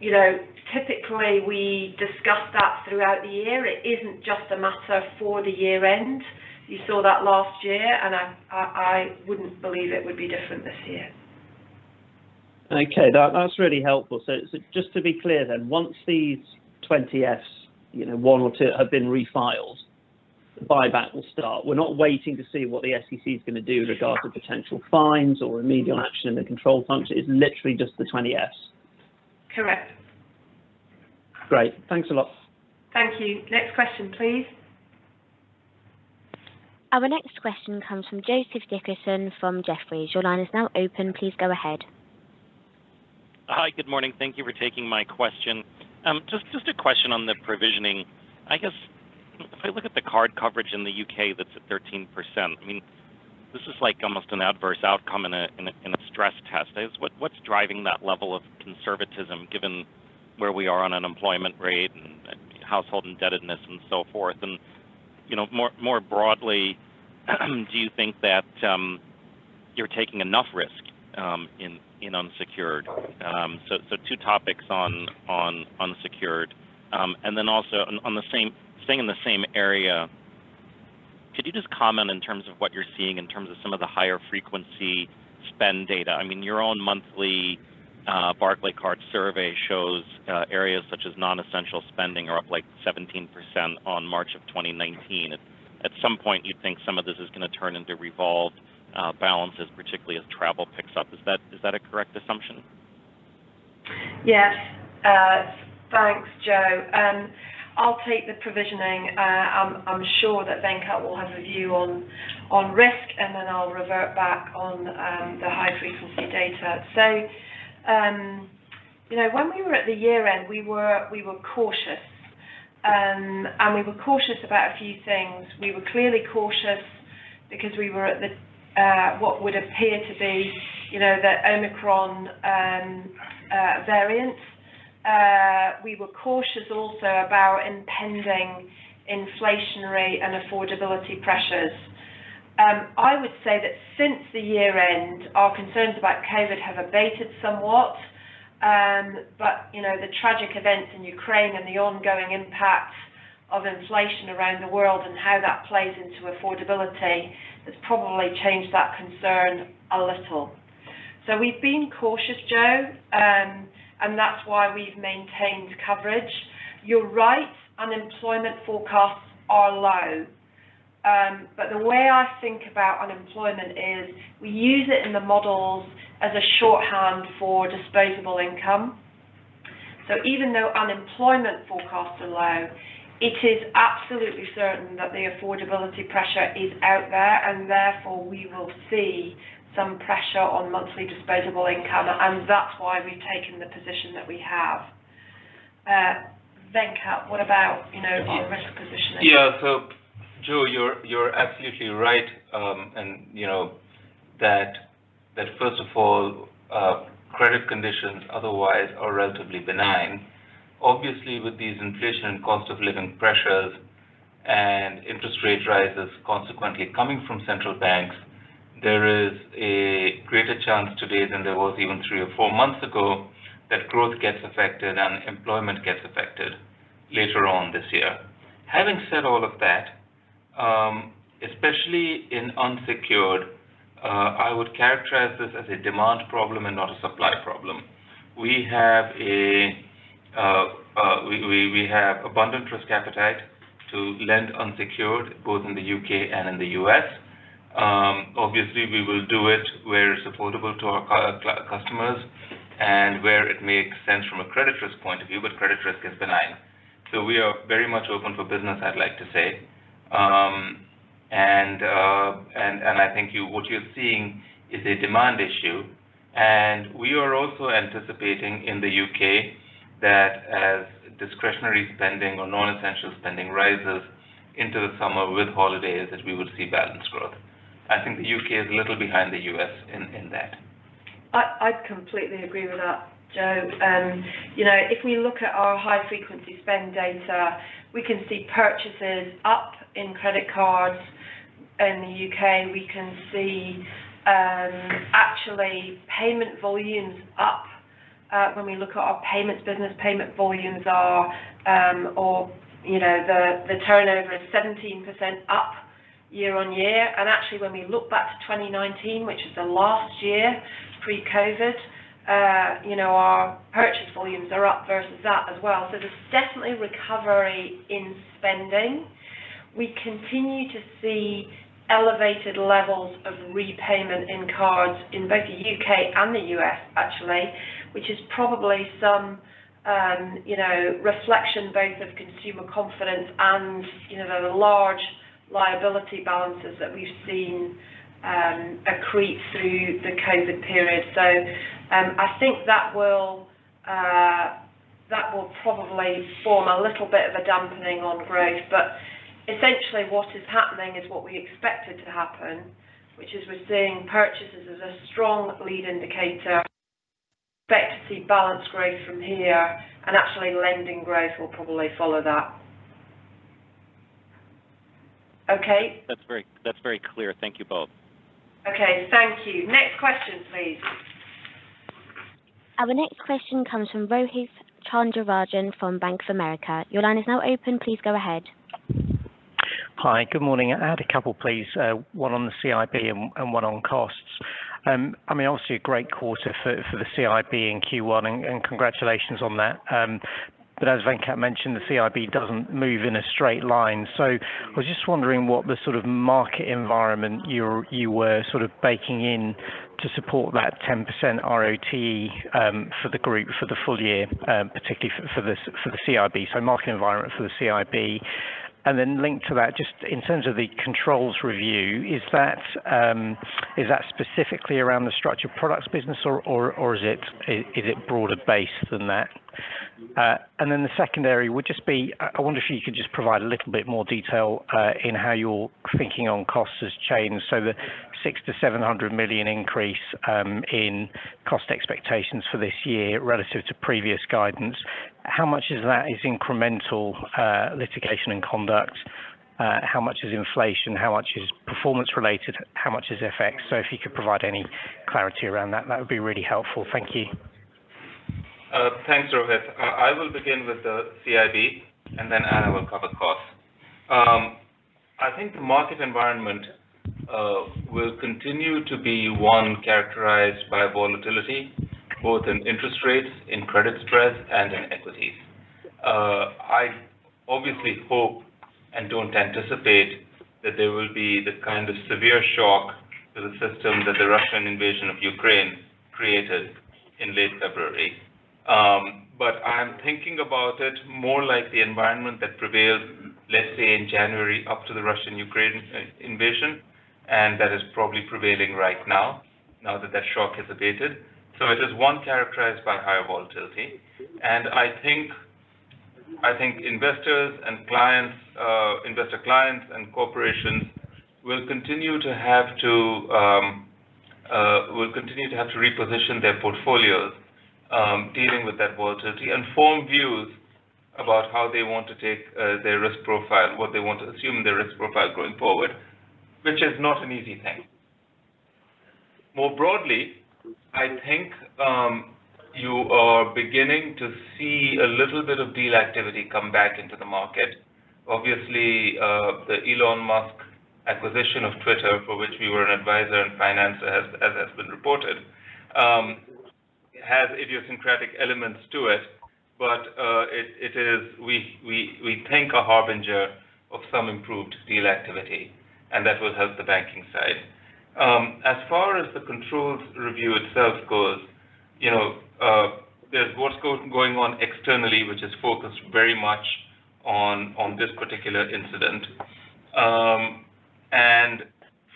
Speaker 3: You know, typically we discuss that throughout the year. It isn't just a matter for the year end. You saw that last year, and I wouldn't believe it would be different this year.
Speaker 4: Okay. That's really helpful. Just to be clear then, once these 20-Fs, you know, one or two have been refiled, the buyback will start. We're not waiting to see what the SEC is going to do regarding potential fines or remedial action in the control function. It's literally just the 20-Fs.
Speaker 3: Correct.
Speaker 4: Great. Thanks a lot.
Speaker 3: Thank you. Next question, please.
Speaker 1: Our next question comes from Joseph Dickerson from Jefferies. Your line is now open. Please go ahead.
Speaker 5: Hi. Good morning. Thank you for taking my question. Just a question on the provisioning. I guess if I look at the card coverage in the U.K. that's at 13%, I mean, this is like almost an adverse outcome in a stress test. What's driving that level of conservatism given where we are on unemployment rate and household indebtedness and so forth? You know, more broadly, do you think that you're taking enough risk in unsecured? So two topics on unsecured. And then also on the same, staying in the same area, could you just comment in terms of what you're seeing in terms of some of the higher frequency spend data? I mean, your own monthly Barclaycard survey shows areas such as non-essential spending are up, like, 17% on March of 2019. At some point, you'd think some of this is going to turn into revolved balances, particularly as travel picks up. Is that a correct assumption?
Speaker 3: Yes. Thanks, Joe. I'll take the provisioning. I'm sure that Venkat will have a view on risk, and then I'll revert back on the high-frequency data. You know, when we were at the year end, we were cautious. We were cautious about a few things. We were clearly cautious because we were at the what would appear to be, you know, the Omicron variant. We were cautious also about impending inflationary and affordability pressures. I would say that since the year end, our concerns about COVID have abated somewhat. You know, the tragic events in Ukraine and the ongoing impact of inflation around the world and how that plays into affordability has probably changed that concern a little. We've been cautious, Joe, and that's why we've maintained coverage. You're right, unemployment forecasts are low. The way I think about unemployment is we use it in the models as a shorthand for disposable income. Even though unemployment forecasts are low, it is absolutely certain that the affordability pressure is out there, and therefore, we will see some pressure on monthly disposable income, and that's why we've taken the position that we have. Venkat, what about, you know, our risk positioning?
Speaker 2: Yeah. Joe, you're absolutely right, and you know that first of all, credit conditions otherwise are relatively benign. Obviously, with these inflation and cost of living pressures and interest rate rises consequently coming from central banks, there is a greater chance today than there was even three or four months ago that growth gets affected and employment gets affected later on this year. Having said all of that, especially in unsecured, I would characterize this as a demand problem and not a supply problem. We have abundant risk appetite to lend unsecured both in the U.K. and in the U.S. Obviously, we will do it where it's affordable to our customers and where it makes sense from a credit risk point of view, but credit risk is benign. We are very much open for business, I'd like to say. I think what you're seeing is a demand issue. We are also anticipating in the U.K. that as discretionary spending or non-essential spending rises into the summer with holidays, that we would see balance growth. I think the U.K. is a little behind the U.S. in that.
Speaker 3: I'd completely agree with that, Joe. You know, if we look at our high-frequency spend data, we can see purchases up in credit cards. In the U.K, we can see actually payment volumes up when we look at our payments business. Payment volumes are, you know, the turnover is 17% up year-on-year. Actually, when we look back to 2019, which is the last year pre-COVID, you know, our purchase volumes are up versus that as well. There's definitely recovery in spending. We continue to see elevated levels of repayment in cards in both the U.K. and the U.S., actually, which is probably some, you know, reflection both of consumer confidence and, you know, the large liability balances that we saw accrue during the COVID period. I think that will probably form a little bit of a dampening on growth. Essentially, what is happening is what we expected to happen, which is we're seeing purchases as a strong lead indicator. Expect to see balance growth from here, and actually lending growth will probably follow that. Okay.
Speaker 5: That's very clear. Thank you both.
Speaker 3: Okay, thank you. Next question, please.
Speaker 1: Our next question comes from Rohith Chandra-Rajan from Bank of America. Your line is now open. Please go ahead.
Speaker 6: Hi. Good morning. I had a couple, please, one on the CIB and one on costs. I mean, obviously a great quarter for the CIB in Q1, and congratulations on that. As Venkat mentioned, the CIB doesn't move in a straight line. I was just wondering what the sort of market environment you were sort of baking in to support that 10% ROTE for the group for the full year, particularly for the CIB. Market environment for the CIB. Then linked to that, just in terms of the controls review, is that specifically around the structured products business or is it broader base than that? The second area would just be, I wonder if you could just provide a little bit more detail in how your thinking on costs has changed. The 600 million-700 million increase in cost expectations for this year relative to previous guidance, how much of that is incremental litigation and conduct? How much is inflation? How much is performance related? How much is FX? If you could provide any clarity around that would be really helpful. Thank you.
Speaker 2: Thanks, Rohith. I will begin with the CIB, and then Anna will cover costs. I think the market environment will continue to be one characterized by volatility, both in interest rates, in credit spreads, and in equities. I obviously hope and don't anticipate that there will be the kind of severe shock to the system that the Russian invasion of Ukraine created in late February. I'm thinking about it more like the environment that prevailed, let's say in January, up to the Russian-Ukrainian invasion, and that is probably prevailing right now that that shock has abated. It is one characterized by higher volatility. I think investors and clients, investor clients and corporations will continue to have to reposition their portfolios, dealing with that volatility and form views about how they want to take their risk profile, what they want to assume their risk profile going forward, which is not an easy thing. More broadly, I think you are beginning to see a little bit of deal activity come back into the market. Obviously, that Elon Musk acquisition of Twitter, for which we were an advisor and financier, as has been reported, has idiosyncratic elements to it. It is, we think, a harbinger of some improved deal activity, and that will help the banking side. As far as the controls review itself goes, you know, there's what's going on externally, which is focused very much on this particular incident.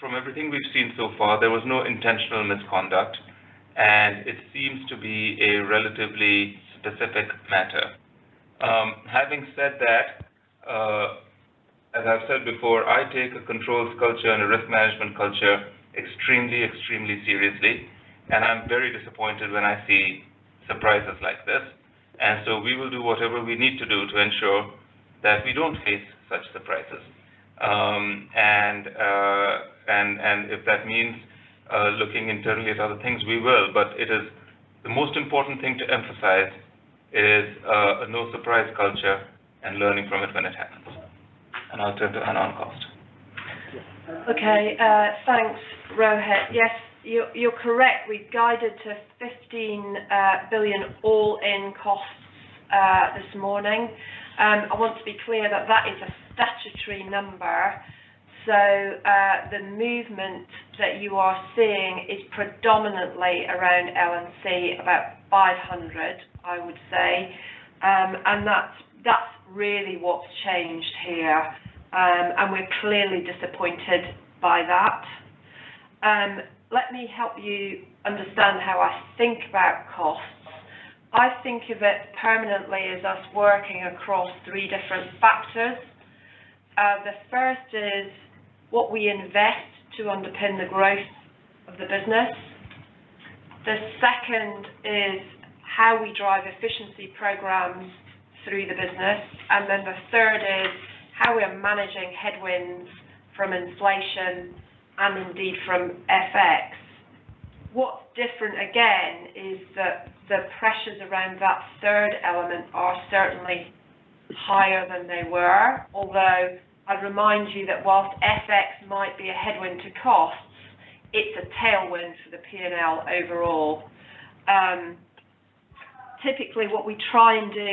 Speaker 2: From everything we've seen so far, there was no intentional misconduct, and it seems to be a relatively specific matter. Having said that, as I've said before, I take a controls culture and a risk management culture extremely seriously, and I'm very disappointed when I see surprises like this. We will do whatever we need to do to ensure that we don't face such surprises. If that means looking internally at other things, we will. It is the most important thing to emphasize is a no surprise culture and learning from it when it happens. I'll turn to Anna on cost.
Speaker 3: Okay. Thanks, Rohith. Yes, you're correct. We guided to 15 billion all-in costs this morning. I want to be clear that that is a statutory number. The movement that you are seeing is predominantly around L&C, about 500 million, I would say. That's really what's changed here. We're clearly disappointed by that. Let me help you understand how I think about costs. I think of it permanently as us working across three different factors. The first is what we invest to underpin the growth of the business. The second is how we drive efficiency programs through the business. The third is how we are managing headwinds from inflation and indeed from FX. What's different again is that the pressures around that third element are certainly higher than they were. Although I'd remind you that while FX might be a headwind to costs, it's a tailwind for the P&L overall. Typically, what we try and do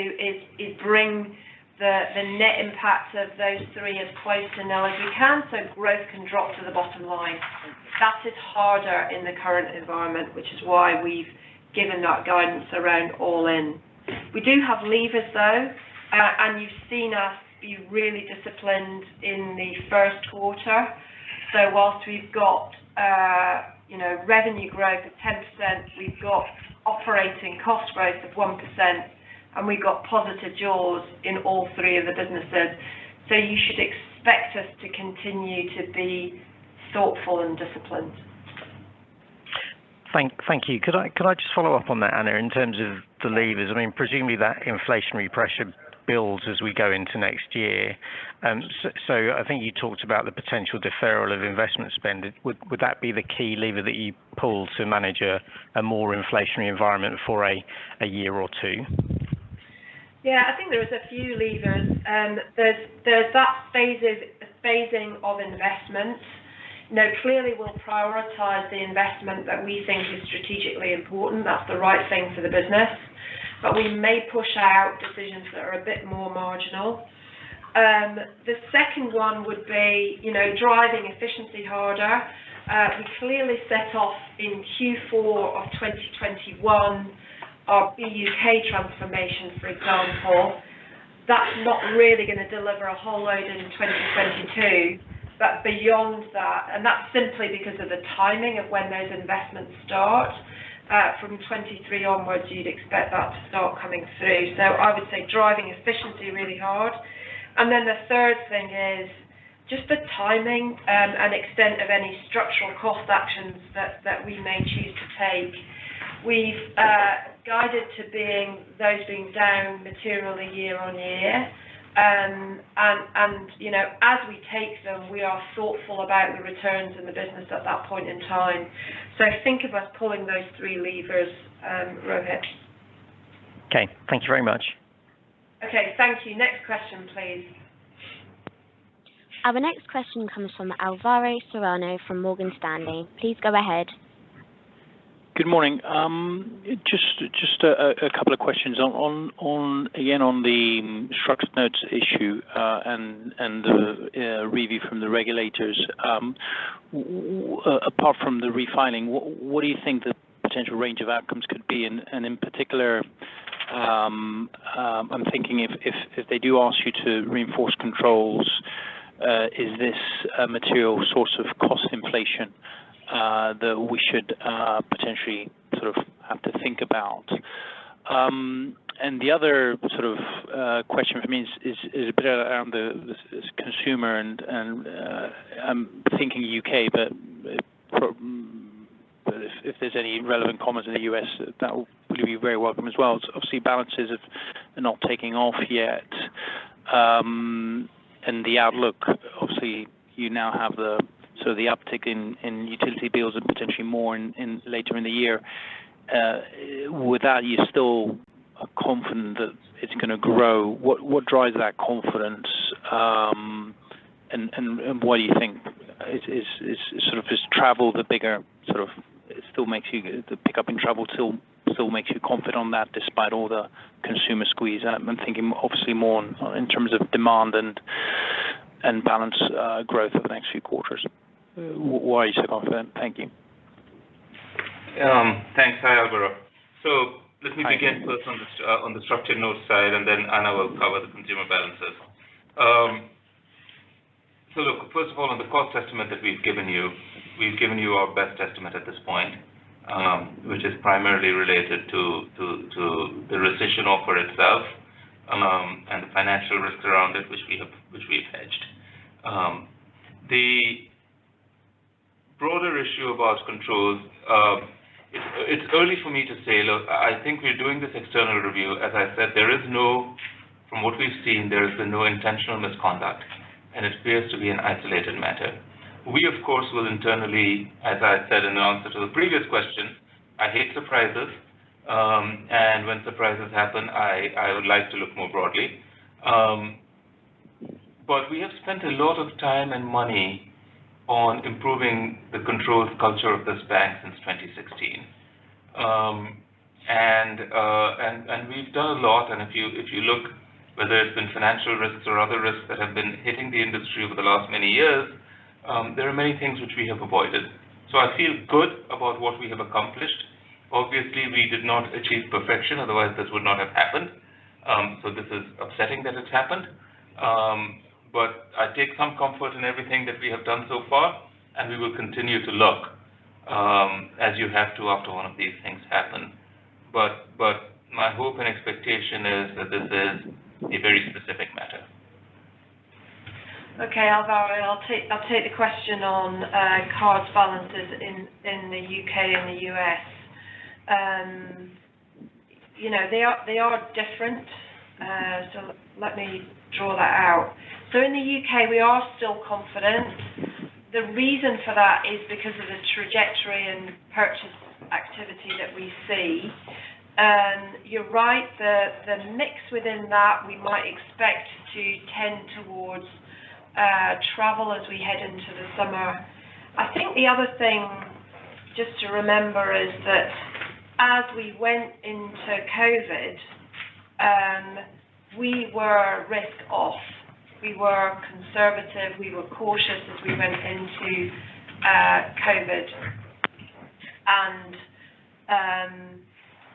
Speaker 3: is bring the net impact of those three as close to nil as we can, so growth can drop to the bottom line. That is harder in the current environment, which is why we've given that guidance around all-in. We do have levers, though, and you've seen us be really disciplined in the first quarter. While we've got, you know, revenue growth of 10%, we've got operating cost growth of 1%, and we've got positive jaws in all three of the businesses. You should expect us to continue to be thoughtful and disciplined.
Speaker 6: Thank you. Could I just follow up on that, Anna, in terms of the levers? I mean, presumably that inflationary pressure builds as we go into next year. So I think you talked about the potential deferral of investment spend. Would that be the key lever that you pull to manage a more inflationary environment for a year or two?
Speaker 3: Yeah. I think there is a few levers. There's that phasing of investments. You know, clearly we'll prioritize the investment that we think is strategically important. That's the right thing for the business. We may push out decisions that are a bit more marginal. The second one would be, you know, driving efficiency harder. We clearly set off in Q4 of 2021 our U.K. transformation, for example. That's not really gonna deliver a whole load in 2022. Beyond that, and that's simply because of the timing of when those investments start, from 2023 onwards, you'd expect that to start coming through. I would say driving efficiency really hard. Then the third thing is just the timing, and extent of any structural cost actions that we may choose to take. We've guided to those being down materially year-on-year. You know, as we take them, we are thoughtful about the returns in the business at that point in time. Think of us pulling those three levers, Rohith.
Speaker 6: Okay. Thank you very much.
Speaker 3: Okay. Thank you. Next question, please.
Speaker 2: Our next question comes from Alvaro Serrano from Morgan Stanley. Please go ahead.
Speaker 7: Good morning. Just a couple of questions on the structured notes issue, and the review from the regulators. Apart from the refiling, what do you think the potential range of outcomes could be? In particular, I'm thinking if they do ask you to reinforce controls, is this a material source of cost inflation that we should potentially sort of have to think about? The other sort of question for me is a bit around the consumer, and I'm thinking U.K., but if there's any relevant comments in the U.S., that would be very welcome as well. Obviously, balances are not taking off yet, and the outlook. Obviously, you now have the sort of uptick in utility bills and potentially more later in the year. With that, are you still confident that it's going to grow? What drives that confidence? Why you think it's sort of is travel the bigger sort of still makes you the pick up in travel still makes you confident on that despite all the consumer squeeze? I'm thinking obviously more in terms of demand and balance growth over the next few quarters. Why are you so confident? Thank you.
Speaker 2: Thanks. Hi, Alvaro. Let me begin first on the structured notes side, and then Anna will cover the consumer balances. Look, first of all, on the cost estimate that we've given you, we've given you our best estimate at this point, which is primarily related to the rescission offer itself, and the financial risk around it, which we've hedged. The broader issue about controls, it's early for me to say. Look, I think we're doing this external review. As I said, from what we've seen, there has been no intentional misconduct, and it appears to be an isolated matter. We, of course, will internally, as I said in answer to the previous question, I hate surprises. When surprises happen, I would like to look more broadly. We have spent a lot of time and money on improving the controls culture of this bank since 2016. We've done a lot. If you look whether it's been financial risks or other risks that have been hitting the industry over the last many years, there are many things which we have avoided. I feel good about what we have accomplished. Obviously, we did not achieve perfection, otherwise this would not have happened. This is upsetting that it's happened. I take some comfort in everything that we have done so far, and we will continue to look, as you have to after one of these things happen. My hope and expectation is that this is a very specific matter.
Speaker 3: Okay, Alvaro, I'll take the question on card balances in the U.K. and the U.S. You know, they are different. Let me draw that out. In the U.K., we are still confident. The reason for that is because of the trajectory and purchase activity that we see. You're right. The mix within that we might expect to tend towards travel as we head into the summer. I think the other thing just to remember is that as we went into COVID, we were risk off. We were conservative, we were cautious as we went into COVID.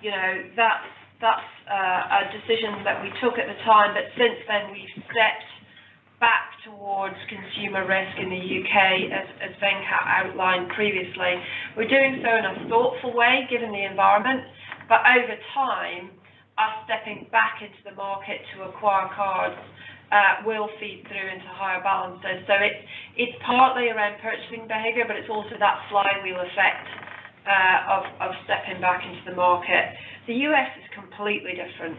Speaker 3: You know, that's a decision that we took at the time. Since then, we've stepped back towards consumer risk in the U.K., as Venkat outlined previously. We're doing so in a thoughtful way, given the environment. Over time, us stepping back into the market to acquire cards will feed through into higher balances. It's partly around purchasing behavior, but it's also that flywheel effect of stepping back into the market. The U.S. is completely different.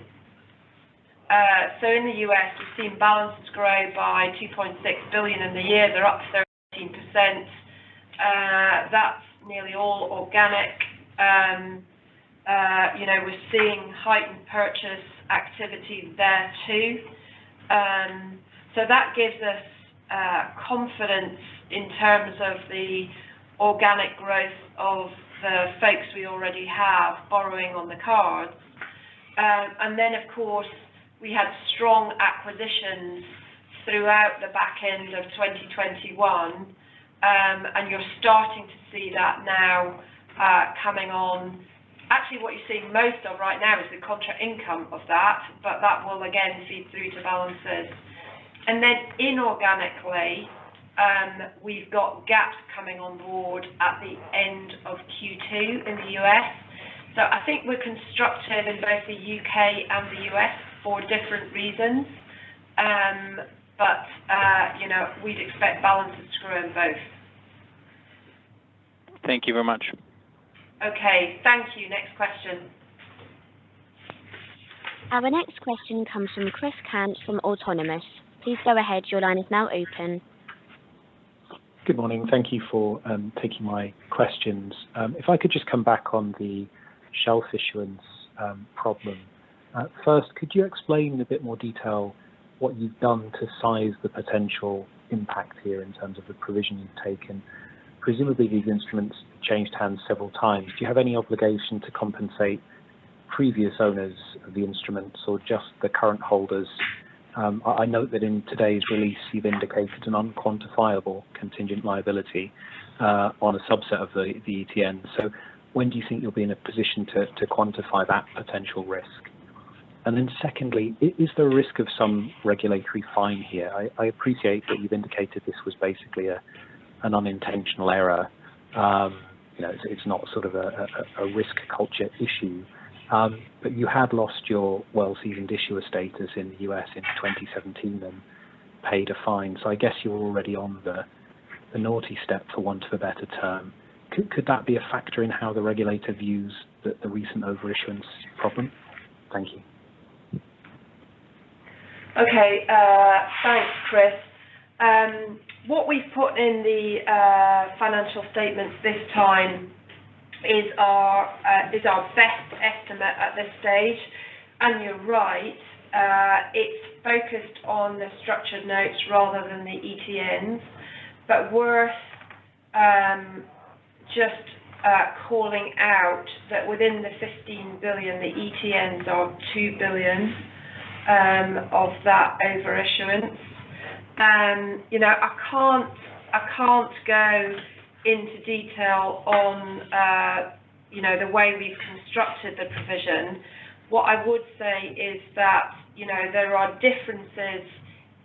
Speaker 3: In the U.S., we've seen balances grow by $2.6 billion in the year. They're up 13%. That's nearly all organic. You know, we're seeing heightened purchase activity there too. That gives us confidence in terms of the organic growth of the folks we already have borrowing on the cards. Of course, we had strong acquisitions throughout the back end of 2021. You're starting to see that now coming on. Actually, what you're seeing most of right now is the contra income of that, but that will again feed through to balances. Inorganically, we've got Gap coming on board at the end of Q2 in the U.S. I think we're constructive in both the U.K. and the U.S. for different reasons. You know, we'd expect balances to grow in both.
Speaker 7: Thank you very much.
Speaker 3: Okay, thank you. Next question.
Speaker 1: Our next question comes from Chris Cant from Autonomous. Please go ahead. Your line is now open.
Speaker 8: Good morning. Thank you for taking my questions. If I could just come back on the shelf issuance problem. First, could you explain in a bit more detail what you've done to size the potential impact here in terms of the provision you've taken? Presumably, these instruments changed hands several times. Do you have any obligation to compensate previous owners of the instruments or just the current holders? I note that in today's release, you've indicated an unquantifiable contingent liability on a subset of the ETN. So when do you think you'll be in a position to quantify that potential risk? And then secondly, is there a risk of some regulatory fine here? I appreciate that you've indicated this was basically an unintentional error. You know, it's not sort of a risk culture issue. You had lost your well-known seasoned issuer status in the U.S. in 2017, then paid a fine. I guess you're already on the naughty step for want of a better term. Could that be a factor in how the regulator views the recent overissuance problem? Thank you.
Speaker 3: Okay. Thanks, Chris. What we've put in the financial statements this time is our best estimate at this stage. You're right, it's focused on the structured notes rather than the ETNs. Worth just calling out that within the 15 billion, the ETNs are 2 billion of that overissuance. You know, I can't go into detail on you know, the way we've constructed the provision. What I would say is that, you know, there are differences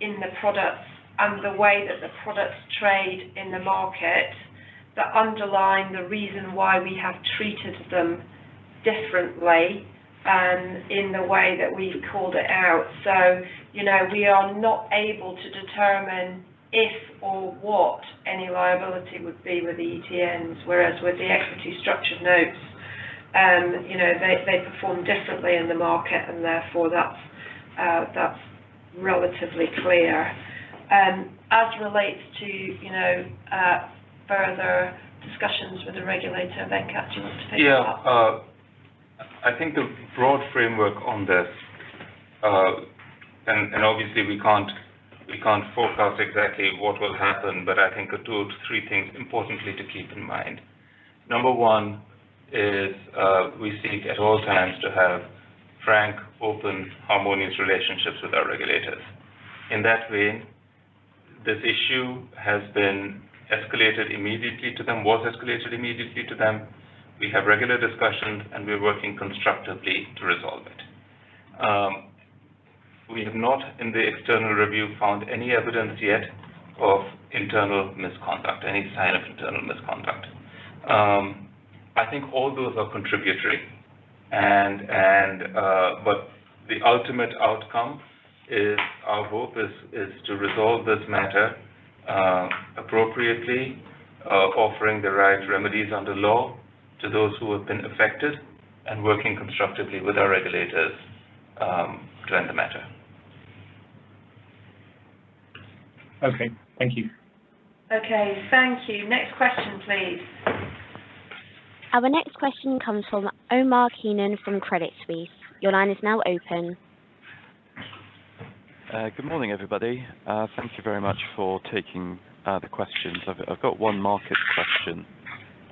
Speaker 3: in the products and the way that the products trade in the market that underline the reason why we have treated them differently, in the way that we've called it out. You know, we are not able to determine if or what any liability would be with ETNs, whereas with the equity structured notes, you know, they perform differently in the market, and therefore that's relatively clear. As relates to, you know, further discussions with the regulator, Venkat, do you want to take that?
Speaker 2: Yeah, I think the broad framework on this, obviously we can't forecast exactly what will happen, but I think the two to three things importantly to keep in mind. Number one is, we seek at all times to have frank, open, harmonious relationships with our regulators. In that vein, this issue has been escalated immediately to them. We have regular discussions, and we're working constructively to resolve it. We have not, in the external review, found any evidence yet of internal misconduct, any sign of internal misconduct. I think all those are contributory, but the ultimate outcome is our hope is to resolve this matter, appropriately, offering the right remedies under law to those who have been affected, and working constructively with our regulators, to end the matter.
Speaker 9: Okay. Thank you.
Speaker 3: Okay. Thank you. Next question, please.
Speaker 1: Our next question comes from Omar Keenan from Credit Suisse. Your line is now open.
Speaker 10: Good morning, everybody. Thank you very much for taking the questions. I've got one market question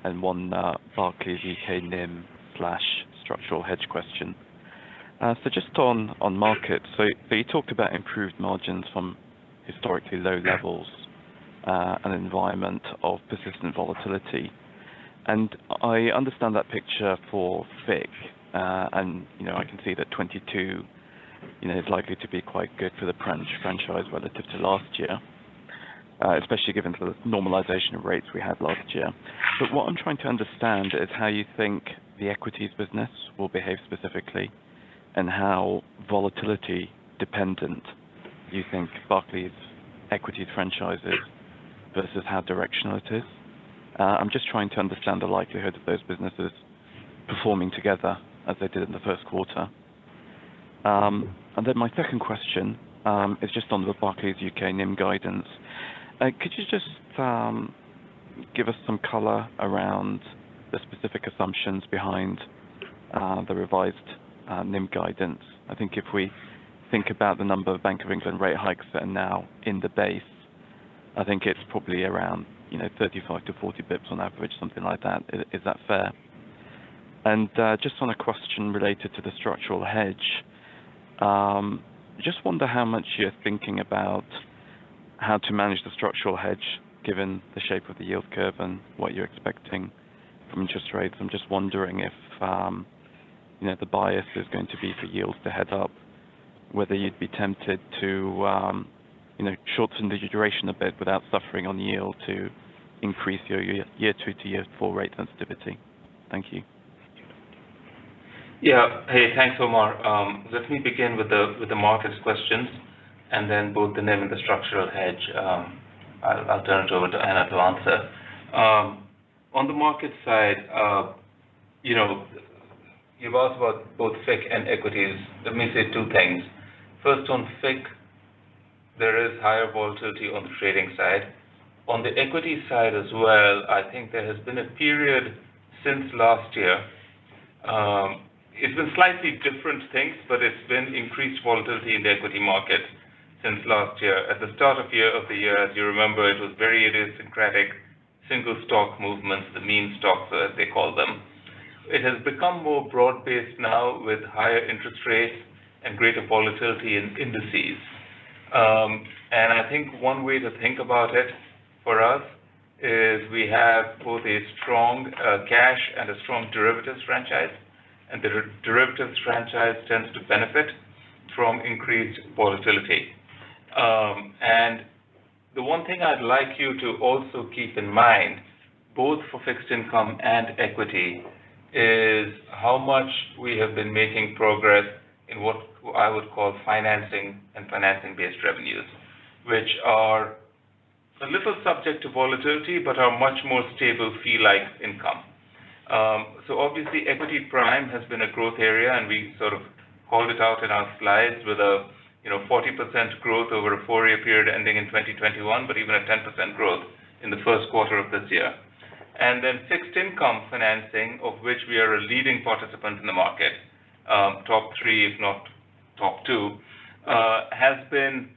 Speaker 10: and one Barclays UK NIM/structural hedge question. Just on markets. You talked about improved margins from historically low levels, an environment of persistent volatility. I understand that picture for FICC, and you know, I can see that 2022, you know, is likely to be quite good for the franchise relative to last year, especially given the normalization of rates we had last year. What I'm trying to understand is how you think the equities business will behave specifically, and how volatility dependent you think Barclays' equities franchise is versus how directional it is. I'm just trying to understand the likelihood of those businesses performing together as they did in the first quarter. My second question is just on the Barclays UK NIM guidance. Could you just give us some color around the specific assumptions behind the revised NIM guidance? I think if we think about the number of Bank of England rate hikes that are now in the base, I think it's probably around, you know, 35-40 basis points on average, something like that. Is that fair? Just on a question related to the structural hedge, just wonder how much you're thinking about how to manage the structural hedge given the shape of the yield curve and what you're expecting from interest rates. I'm just wondering if, you know, the bias is going to be for yields to head up, whether you'd be tempted to, you know, shorten the duration a bit without suffering on yield to increase your year two to year four rate sensitivity? Thank you.
Speaker 2: Yeah. Hey, thanks, Omar. Let me begin with the markets questions and then both the NIM and the structural hedge, I'll turn it over to Anna to answer. On the market side, you know, you've asked about both FICC and equities. Let me say two things. First, on FICC, there is higher volatility on the trading side. On the equity side as well, I think there has been a period since last year. It's been slightly different things, but it's been increased volatility in the equity market since last year. At the start of the year, as you remember, it was very idiosyncratic single stock movements, the meme stocks, as they call them. It has become more broad-based now with higher interest rates and greater volatility in indices. I think one way to think about it for us is we have both a strong cash and a strong derivatives franchise, and the derivatives franchise tends to benefit from increased volatility. The one thing I'd like you to also keep in mind, both for fixed income and equity, is how much we have been making progress in what I would call financing and financing-based revenues, which are a little subject to volatility, but are much more stable fee-like income. Obviously equity prime has been a growth area, and we sort of called it out in our slides with a, you know, 40% growth over a four-year period ending in 2021, but even a 10% growth in the first quarter of this year. Fixed income financing, of which we are a leading participant in the market, top three, if not top two, has been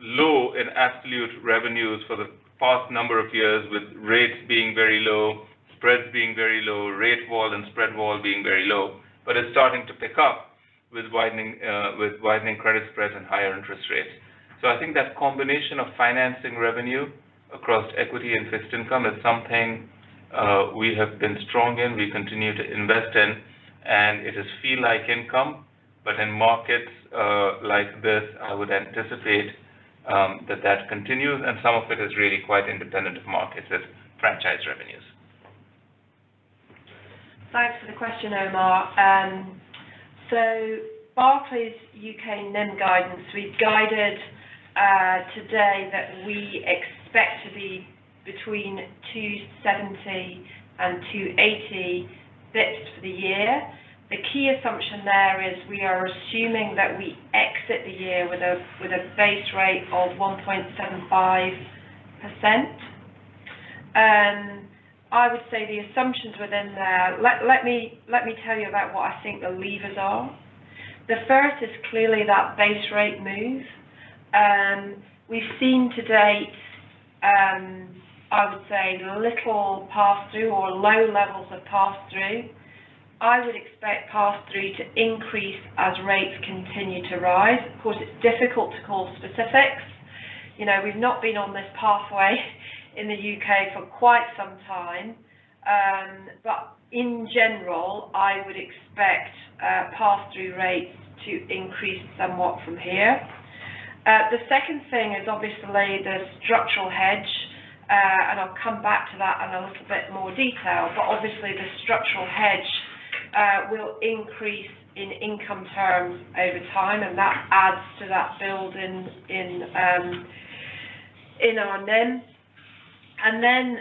Speaker 2: low in absolute revenues for the past number of years, with rates being very low, spreads being very low, rate wall and spread wall being very low. It's starting to pick up with widening credit spreads and higher interest rates. I think that combination of financing revenue across equity and fixed income is something we have been strong in, we continue to invest in, and it is fee-like income. In markets like this, I would anticipate that continues, and some of it is really quite independent of markets as franchise revenues.
Speaker 3: Thanks for the question, Omar. So Barclays UK NIM guidance, we've guided today that we expect to be between 270 and 280 basis points for the year. The key assumption there is we are assuming that we exit the year with a base rate of 1.75%. I would say the assumptions within there, let me tell you about what I think the levers are. The first is clearly that base rate move. We've seen to date, I would say little pass-through or low levels of pass-through. I would expect pass-through to increase as rates continue to rise. Of course, it's difficult to call specifics. You know, we've not been on this pathway in the U.K. for quite some time. But in general, I would expect pass-through rates to increase somewhat from here. The second thing is obviously the structural hedge, and I'll come back to that in a little bit more detail. Obviously the structural hedge will increase in income terms over time, and that adds to that build in our NIM. Then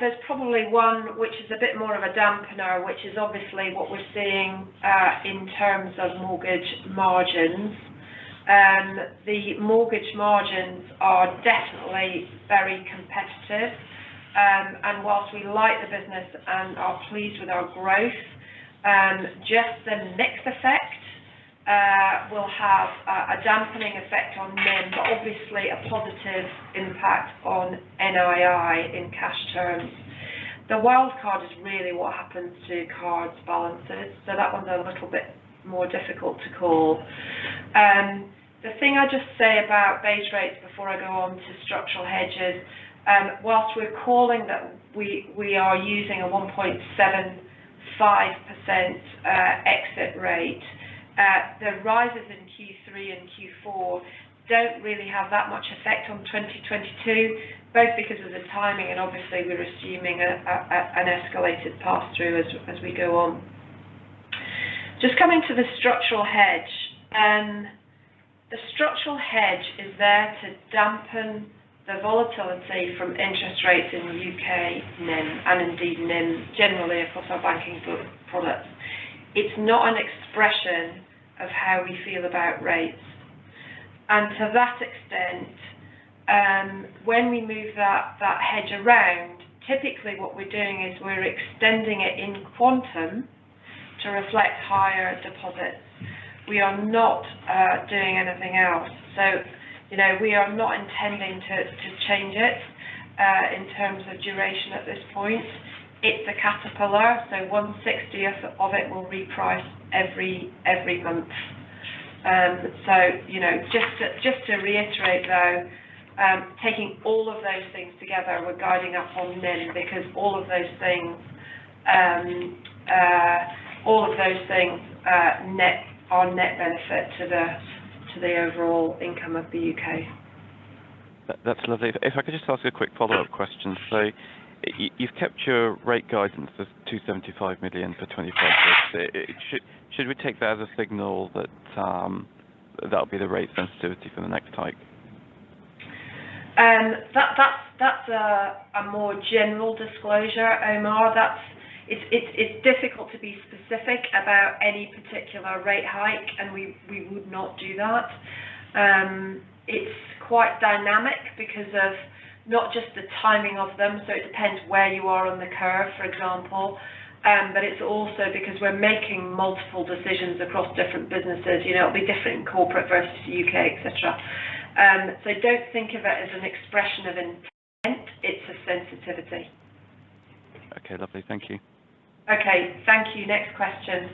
Speaker 3: there's probably one which is a bit more of a dampener, which is obviously what we're seeing in terms of mortgage margins. The mortgage margins are definitely very competitive. Whilst we like the business and are pleased with our growth, just the mix effect will have a dampening effect on NIM, but obviously a positive impact on NOII in cash terms. The wild card is really what happens to cards balances, so that one's a little bit more difficult to call. The thing I'd just say about base rates before I go on to structural hedges, while we're calling that we are using a 1.75% exit rate, the rises in Q3 and Q4 don't really have that much effect on 2022, both because of the timing and obviously we're assuming an escalated pass-through as we go on. Just coming to the structural hedge, the structural hedge is there to dampen the volatility from interest rates in the U.K. NIM, and indeed NIM generally across our banking products. It's not an expression of how we feel about rates. To that extent, when we move that hedge around, typically what we're doing is we're extending it in quantum to reflect higher deposits. We are not doing anything else. You know, we are not intending to change it in terms of duration at this point. It's a caterpillar, so one-sixtieth of it will reprice every month. You know, just to reiterate, though, taking all of those things together, we're guiding up on NIM because all of those things net are a net benefit to the overall income of the U.K.
Speaker 10: That's lovely. If I could just ask a quick follow-up question. You've kept your rate guidance of 275 million for 25 years. Should we take that as a signal that that'll be the rate sensitivity for the next hike?
Speaker 3: That's a more general disclosure, Omar. It's difficult to be specific about any particular rate hike, and we would not do that. It's quite dynamic because of not just the timing of them, so it depends where you are on the curve, for example. But it's also because we're making multiple decisions across different businesses. You know, it'll be different in corporate versus U.K., et cetera. So don't think of it as an expression of intent, it's a sensitivity.
Speaker 10: Okay. Lovely. Thank you.
Speaker 3: Okay. Thank you. Next question.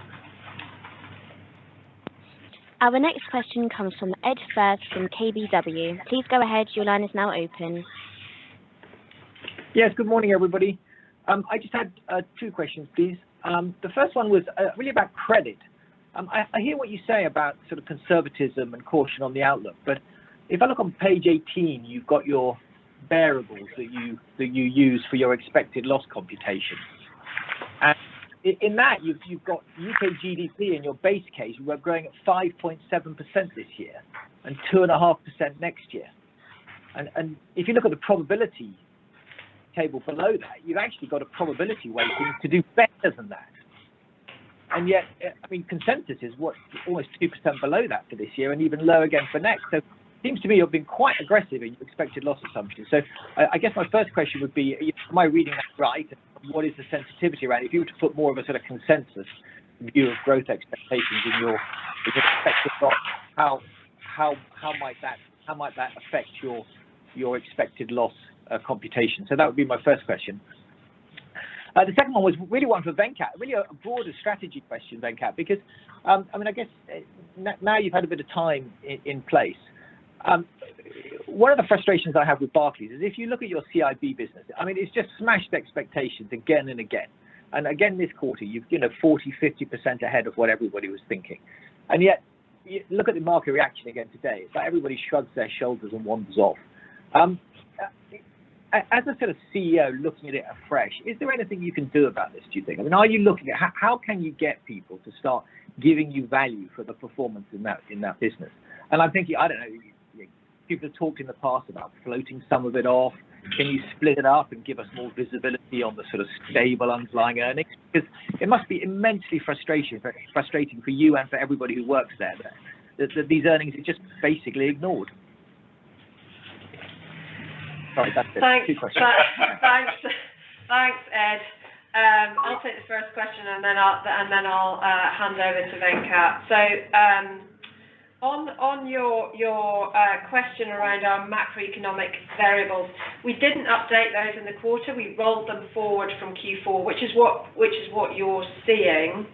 Speaker 2: Our next question comes from Ed Firth from KBW. Please go ahead. Your line is now open.
Speaker 11: Yes. Good morning, everybody. I just had two questions, please. The first one was really about credit. I hear what you say about sort of conservatism and caution on the outlook. If I look on page 18, you've got your variables that you use for your expected loss computation. In that, you've got U.K. GDP in your base case. We're growing at 5.7% this year, and 2.5% next year. If you look at the probability table below that, you've actually got a probability weighting to do better than that. Yet, I mean, consensus is what? Almost 6% below that for this year and even lower again for next year. Seems to me you're being quite aggressive in your expected loss assumptions. I guess my first question would be, am I reading that right? What is the sensitivity around it? If you were to put more of a sort of consensus view of growth expectations in your expected loss, how might that affect your expected loss computation? That would be my first question. The second one was really one for Venkat, really a broader strategy question, Venkat, because, I mean, I guess now you've had a bit of time in place. One of the frustrations I have with Barclays is if you look at your CIB business, I mean, it's just smashed expectations again and again. Again this quarter, you've, you know, 40%-50% ahead of what everybody was thinking. Yet, look at the market reaction again today. It's like everybody shrugs their shoulders and wanders off. As a sort of CEO looking at it afresh, is there anything you can do about this, do you think? I mean, are you looking at how can you get people to start giving you value for the performance in that business? I think you. I don't know. People have talked in the past about floating some of it off. Can you split it up and give us more visibility on the sort of stable underlying earnings? Because it must be immensely frustrating for you and for everybody who works there that these earnings are just basically ignored. Sorry, that's it. Two questions.
Speaker 3: Thanks. Thanks, Ed. I'll take the first question, and then I'll hand over to Venkat. On your question around our macroeconomic variables, we didn't update those in the quarter. We rolled them forward from Q4, which is what you're seeing.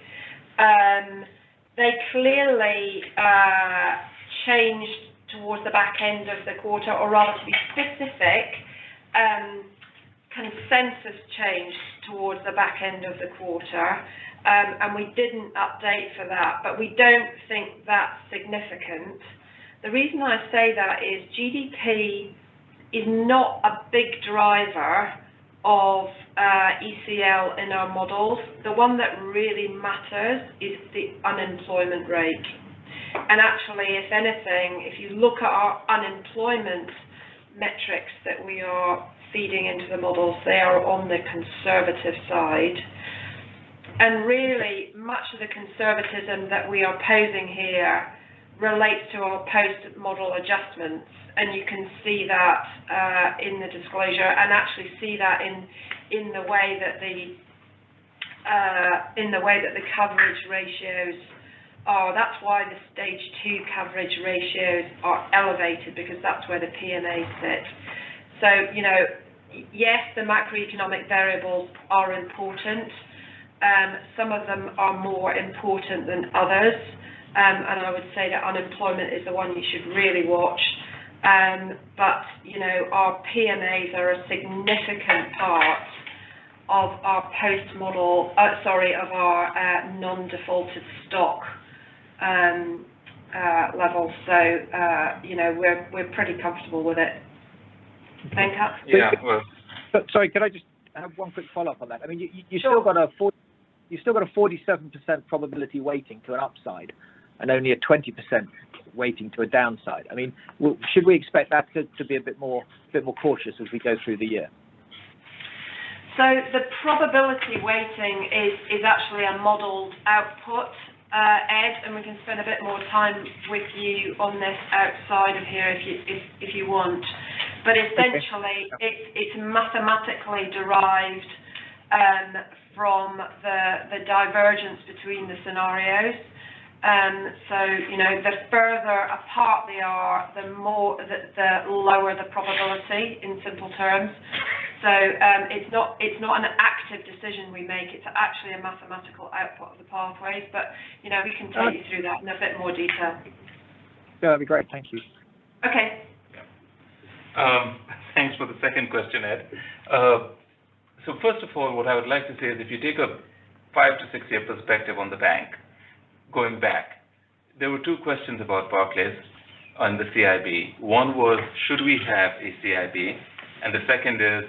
Speaker 3: They clearly changed towards the back end of the quarter or rather, to be specific, consensus changed towards the back end of the quarter. We didn't update for that, but we don't think that's significant. The reason I say that is GDP is not a big driver of ECL in our models. The one that really matters is the unemployment rate. Actually, if anything, if you look at our unemployment metrics that we are feeding into the models, they are on the conservative side. Really, much of the conservatism that we are posing here relates to our post-model adjustments, and you can see that in the disclosure and actually see that in the way that the coverage ratios are. That's why the stage two coverage ratios are elevated, because that's where the PMAs sit. You know, yes, the macroeconomic variables are important. Some of them are more important than others. I would say that unemployment is the one you should really watch. You know, our PMAs are a significant part of our non-defaulted stock level. You know, we're pretty comfortable with it. Venkat?
Speaker 2: Yeah. Well.
Speaker 11: Sorry, could I just have one quick follow-up on that? I mean, you still got a fort-
Speaker 3: Sure.
Speaker 11: You still got a 47% probability weighting to an upside and only a 20% weighting to a downside. I mean, should we expect that to be a bit more cautious as we go through the year?
Speaker 3: The probability weighting is actually a modeled output, Ed, and we can spend a bit more time with you on this outside of here if you want.
Speaker 11: Okay.
Speaker 3: Essentially, it's mathematically derived from the divergence between the scenarios. You know, the further apart they are, the lower the probability, in simple terms. It's not an active decision we make. It's actually a mathematical output of the pathways. You know, we can take you through that in a bit more detail.
Speaker 11: Yeah, that'd be great. Thank you.
Speaker 3: Okay.
Speaker 11: Yeah.
Speaker 2: Thanks for the second question, Ed. First of all, what I would like to say is if you take a five- to six-year perspective on the bank, going back, there were two questions about Barclays and the CIB. One was, should we have a CIB? And the second is,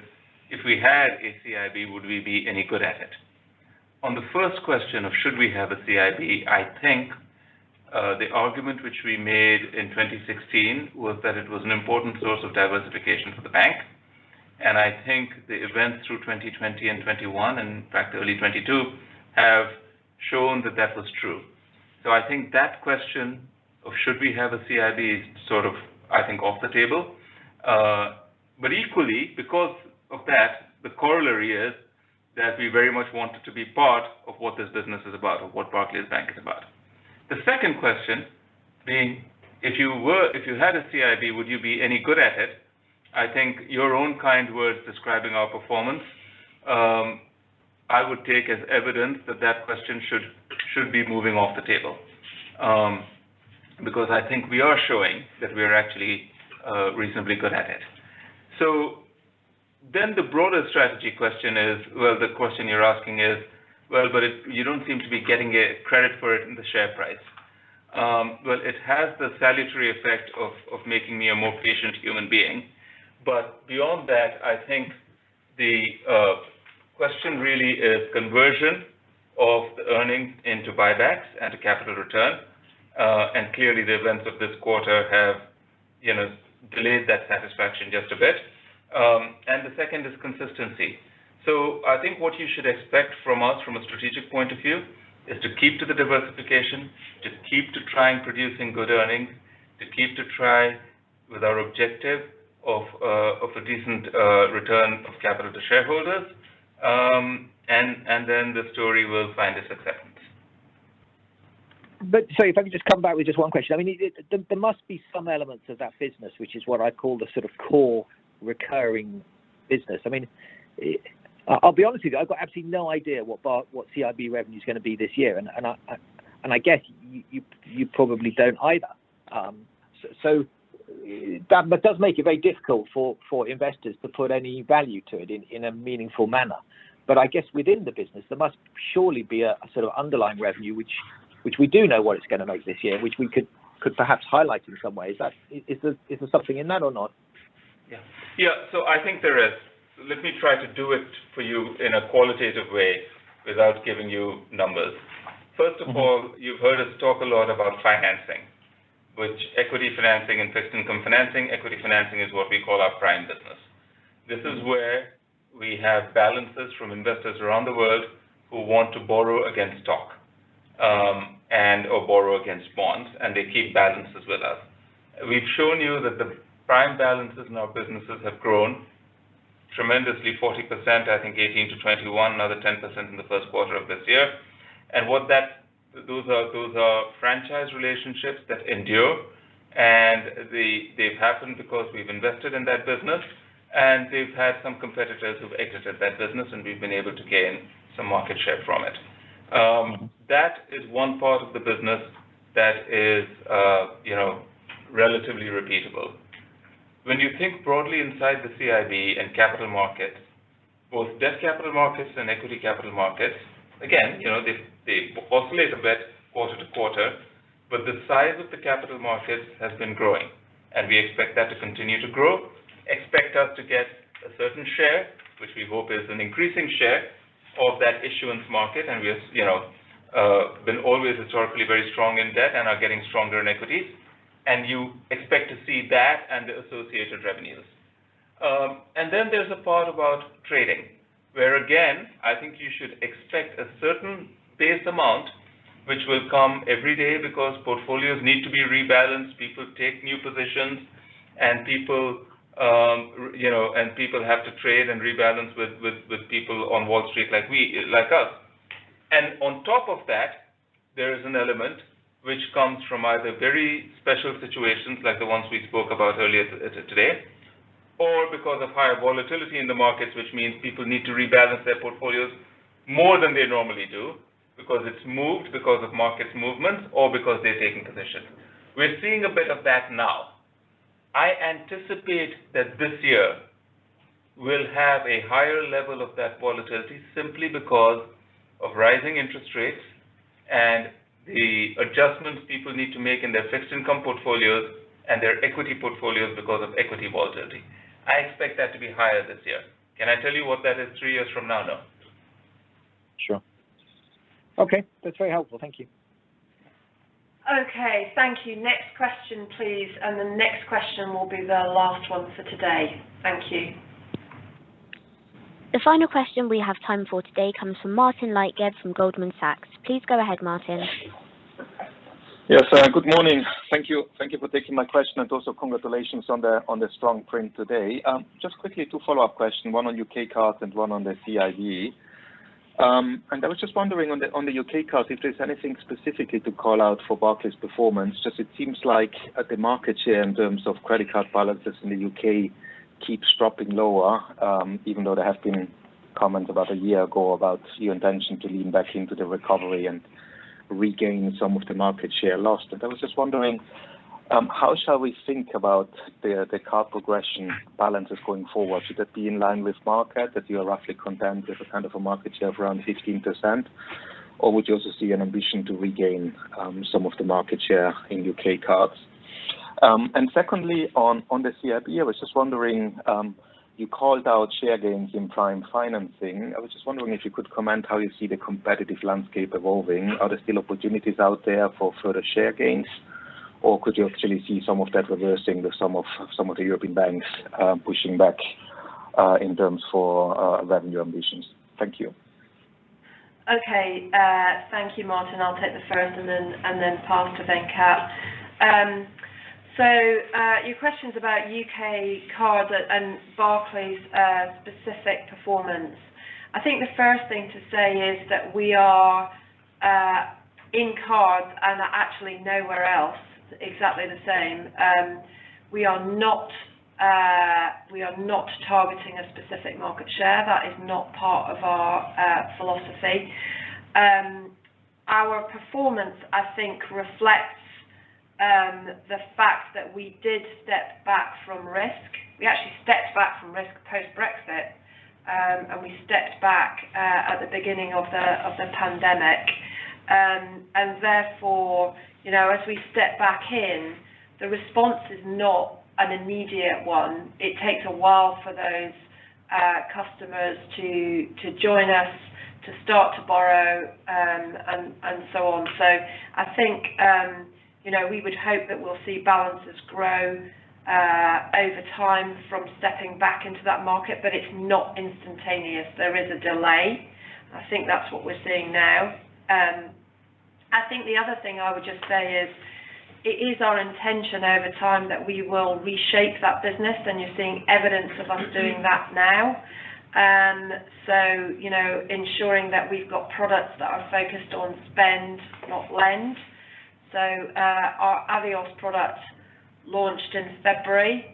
Speaker 2: if we had a CIB, would we be any good at it? On the first question of should we have a CIB, I think, the argument which we made in 2016 was that it was an important source of diversification for the bank. I think the events through 2020 and 2021, and in fact early 2022, have shown that that was true. I think that question of should we have a CIB is sort of, I think, off the table. Equally, because of that, the corollary is that we very much want it to be part of what this business is about or what Barclays Bank is about. The second question being, if you had a CIB, would you be any good at it? I think your own kind words describing our performance, I would take as evidence that that question should be moving off the table. Because I think we are showing that we are actually reasonably good at it. The broader strategy question is, well, the question you're asking is, well, but if you don't seem to be getting credit for it in the share price. Well, it has the salutary effect of making me a more patient human being. Beyond that, I think the question really is conversion of the earnings into buybacks and to capital return. Clearly the events of this quarter have, you know, delayed that satisfaction just a bit. The second is consistency. I think what you should expect from us from a strategic point of view is to keep to the diversification, to keep to try and producing good earnings, to keep to try with our objective of a decent return of capital to shareholders. Then the story will find its acceptance.
Speaker 11: Sorry, if I could just come back with just one question. I mean, there must be some elements of that business, which is what I call the sort of core recurring business. I mean, I'll be honest with you, I've got absolutely no idea what CIB revenue's gonna be this year, and I guess you probably don't either. So that does make it very difficult for investors to put any value to it in a meaningful manner. I guess within the business, there must surely be a sort of underlying revenue which we do know what it's gonna make this year, which we could perhaps highlight in some way. Is that, is there something in that or not?
Speaker 2: Yeah. Yeah, so I think there is. Let me try to do it for you in a qualitative way without giving you numbers. First of all, you've heard us talk a lot about financing, which equity financing and fixed income financing. Equity financing is what we call our prime business. This is where we have balances from investors around the world who want to borrow against stock, and/or borrow against bonds, and they keep balances with us. We've shown you that the prime balances in our businesses have grown tremendously 40%, I think 18%-21%, another 10% in the first quarter of this year. Those are franchise relationships that endure, and they've happened because we've invested in that business, and we've had some competitors who've exited that business, and we've been able to gain some market share from it. That is one part of the business that is, you know, relatively repeatable. When you think broadly inside the CIB and capital markets, both debt capital markets and equity capital markets, again, you know, they oscillate a bit quarter-to-quarter, but the size of the capital markets has been growing, and we expect that to continue to grow. Expect us to get a certain share, which we hope is an increasing share of that issuance market, and we have, you know, been always historically very strong in debt and are getting stronger in equities. You expect to see that and the associated revenues. There's a part about trading, where again, I think you should expect a certain base amount which will come every day because portfolios need to be rebalanced, people take new positions and people, you know, and people have to trade and rebalance with people on Wall Street like we, like us. On top of that, there is an element which comes from either very special situations like the ones we spoke about earlier today or because of higher volatility in the markets, which means people need to rebalance their portfolios more than they normally do because it's moved because of market movements or because they're taking positions. We're seeing a bit of that now. I anticipate that this year will have a higher level of that volatility simply because of rising interest rates and the adjustments people need to make in their fixed income portfolios and their equity portfolios because of equity volatility. I expect that to be higher this year. Can I tell you what that is three years from now? No.
Speaker 11: Sure. Okay. That's very helpful. Thank you.
Speaker 1: Okay. Thank you. Next question, please. The next question will be the last one for today. Thank you. The final question we have time for today comes from Martin Leitgeb from Goldman Sachs. Please go ahead, Martin.
Speaker 12: Good morning. Thank you for taking my question, and also congratulations on the strong print today. Just quickly two follow-up question, one on U.K. cards and one on the CIB. I was just wondering on the U.K. cards if there's anything specifically to call out for Barclays' performance. It just seems like the market share in terms of credit card balances in the U.K. keeps dropping lower, even though there have been comments about a year ago about your intention to lean back into the recovery and regain some of the market share lost. I was just wondering how shall we think about the card progression balances going forward? Should that be in line with market, that you are roughly content with a kind of a market share of around 15%, or would you also see an ambition to regain some of the market share in U.K. cards? Secondly, on the CIB, I was just wondering, you called out share gains in prime financing. I was just wondering if you could comment how you see the competitive landscape evolving. Are there still opportunities out there for further share gains, or could you actually see some of that reversing with some of the European banks pushing back in terms of revenue ambitions? Thank you.
Speaker 3: Okay. Thank you, Martin. I'll take the first and then pass to Venkat. Your question's about U.K. cards and Barclays' specific performance. I think the first thing to say is that we are in cards and actually nowhere else exactly the same. We are not targeting a specific market share. That is not part of our philosophy. Our performance, I think, reflects the fact that we did step back from risk. We actually stepped back from risk post-Brexit, and we stepped back at the beginning of the pandemic. Therefore, you know, as we step back in, the response is not an immediate one. It takes a while for those customers to join us, to start to borrow, and so on. I think, you know, we would hope that we'll see balances grow over time from stepping back into that market, but it's not instantaneous. There is a delay. I think that's what we're seeing now. I think the other thing I would just say is it is our intention over time that we will reshape that business, and you're seeing evidence of us doing that now. You know, ensuring that we've got products that are focused on spend, not lend. Our Avios product launched in February.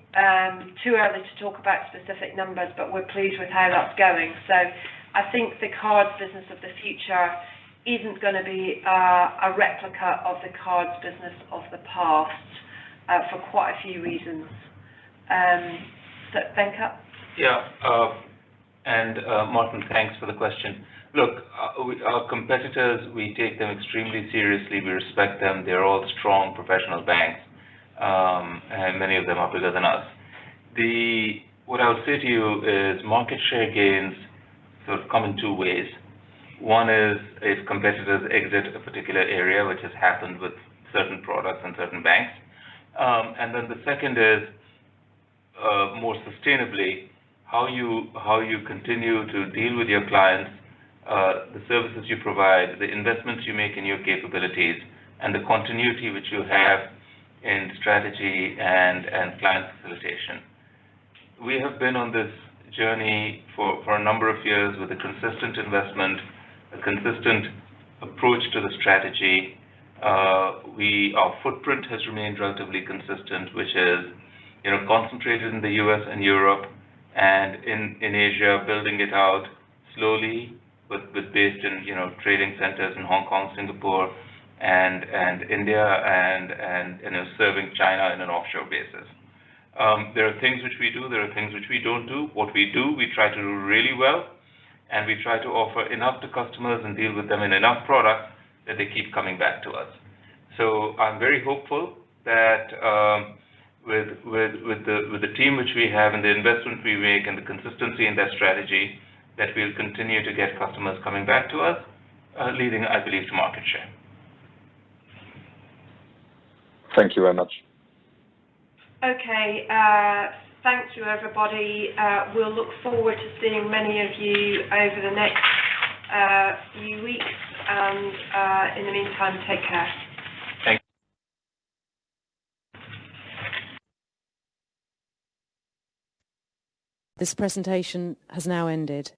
Speaker 3: Too early to talk about specific numbers, but we're pleased with how that's going. I think the cards business of the future isn't gonna be a replica of the cards business of the past for quite a few reasons. Venkat?
Speaker 2: Yeah. Martin, thanks for the question. Look, our competitors, we take them extremely seriously, we respect them. They're all strong, professional banks. Many of them are bigger than us. What I'll say to you is market share gains sort of come in two ways. One is if competitors exit a particular area, which has happened with certain products and certain banks. Then the second is, more sustainably, how you continue to deal with your clients, the services you provide, the investments you make in your capabilities, and the continuity which you have in strategy and client facilitation. We have been on this journey for a number of years with a consistent investment, a consistent approach to the strategy. Our footprint has remained relatively consistent, which is, you know, concentrated in the U.S. and Europe and in Asia, building it out slowly with bases in, you know, trading centers in Hong Kong, Singapore and India and, you know, serving China on an offshore basis. There are things which we do, there are things which we don't do. What we do, we try to do really well, and we try to offer enough to customers and deal with them in enough product that they keep coming back to us. I'm very hopeful that with the team which we have and the investments we make and the consistency in that strategy, that we'll continue to get customers coming back to us, leading, I believe, to market share.
Speaker 12: Thank you very much.
Speaker 3: Okay. Thank you, everybody. We'll look forward to seeing many of you over the next few weeks. In the meantime, take care.
Speaker 2: Thank you.
Speaker 1: This presentation has now ended.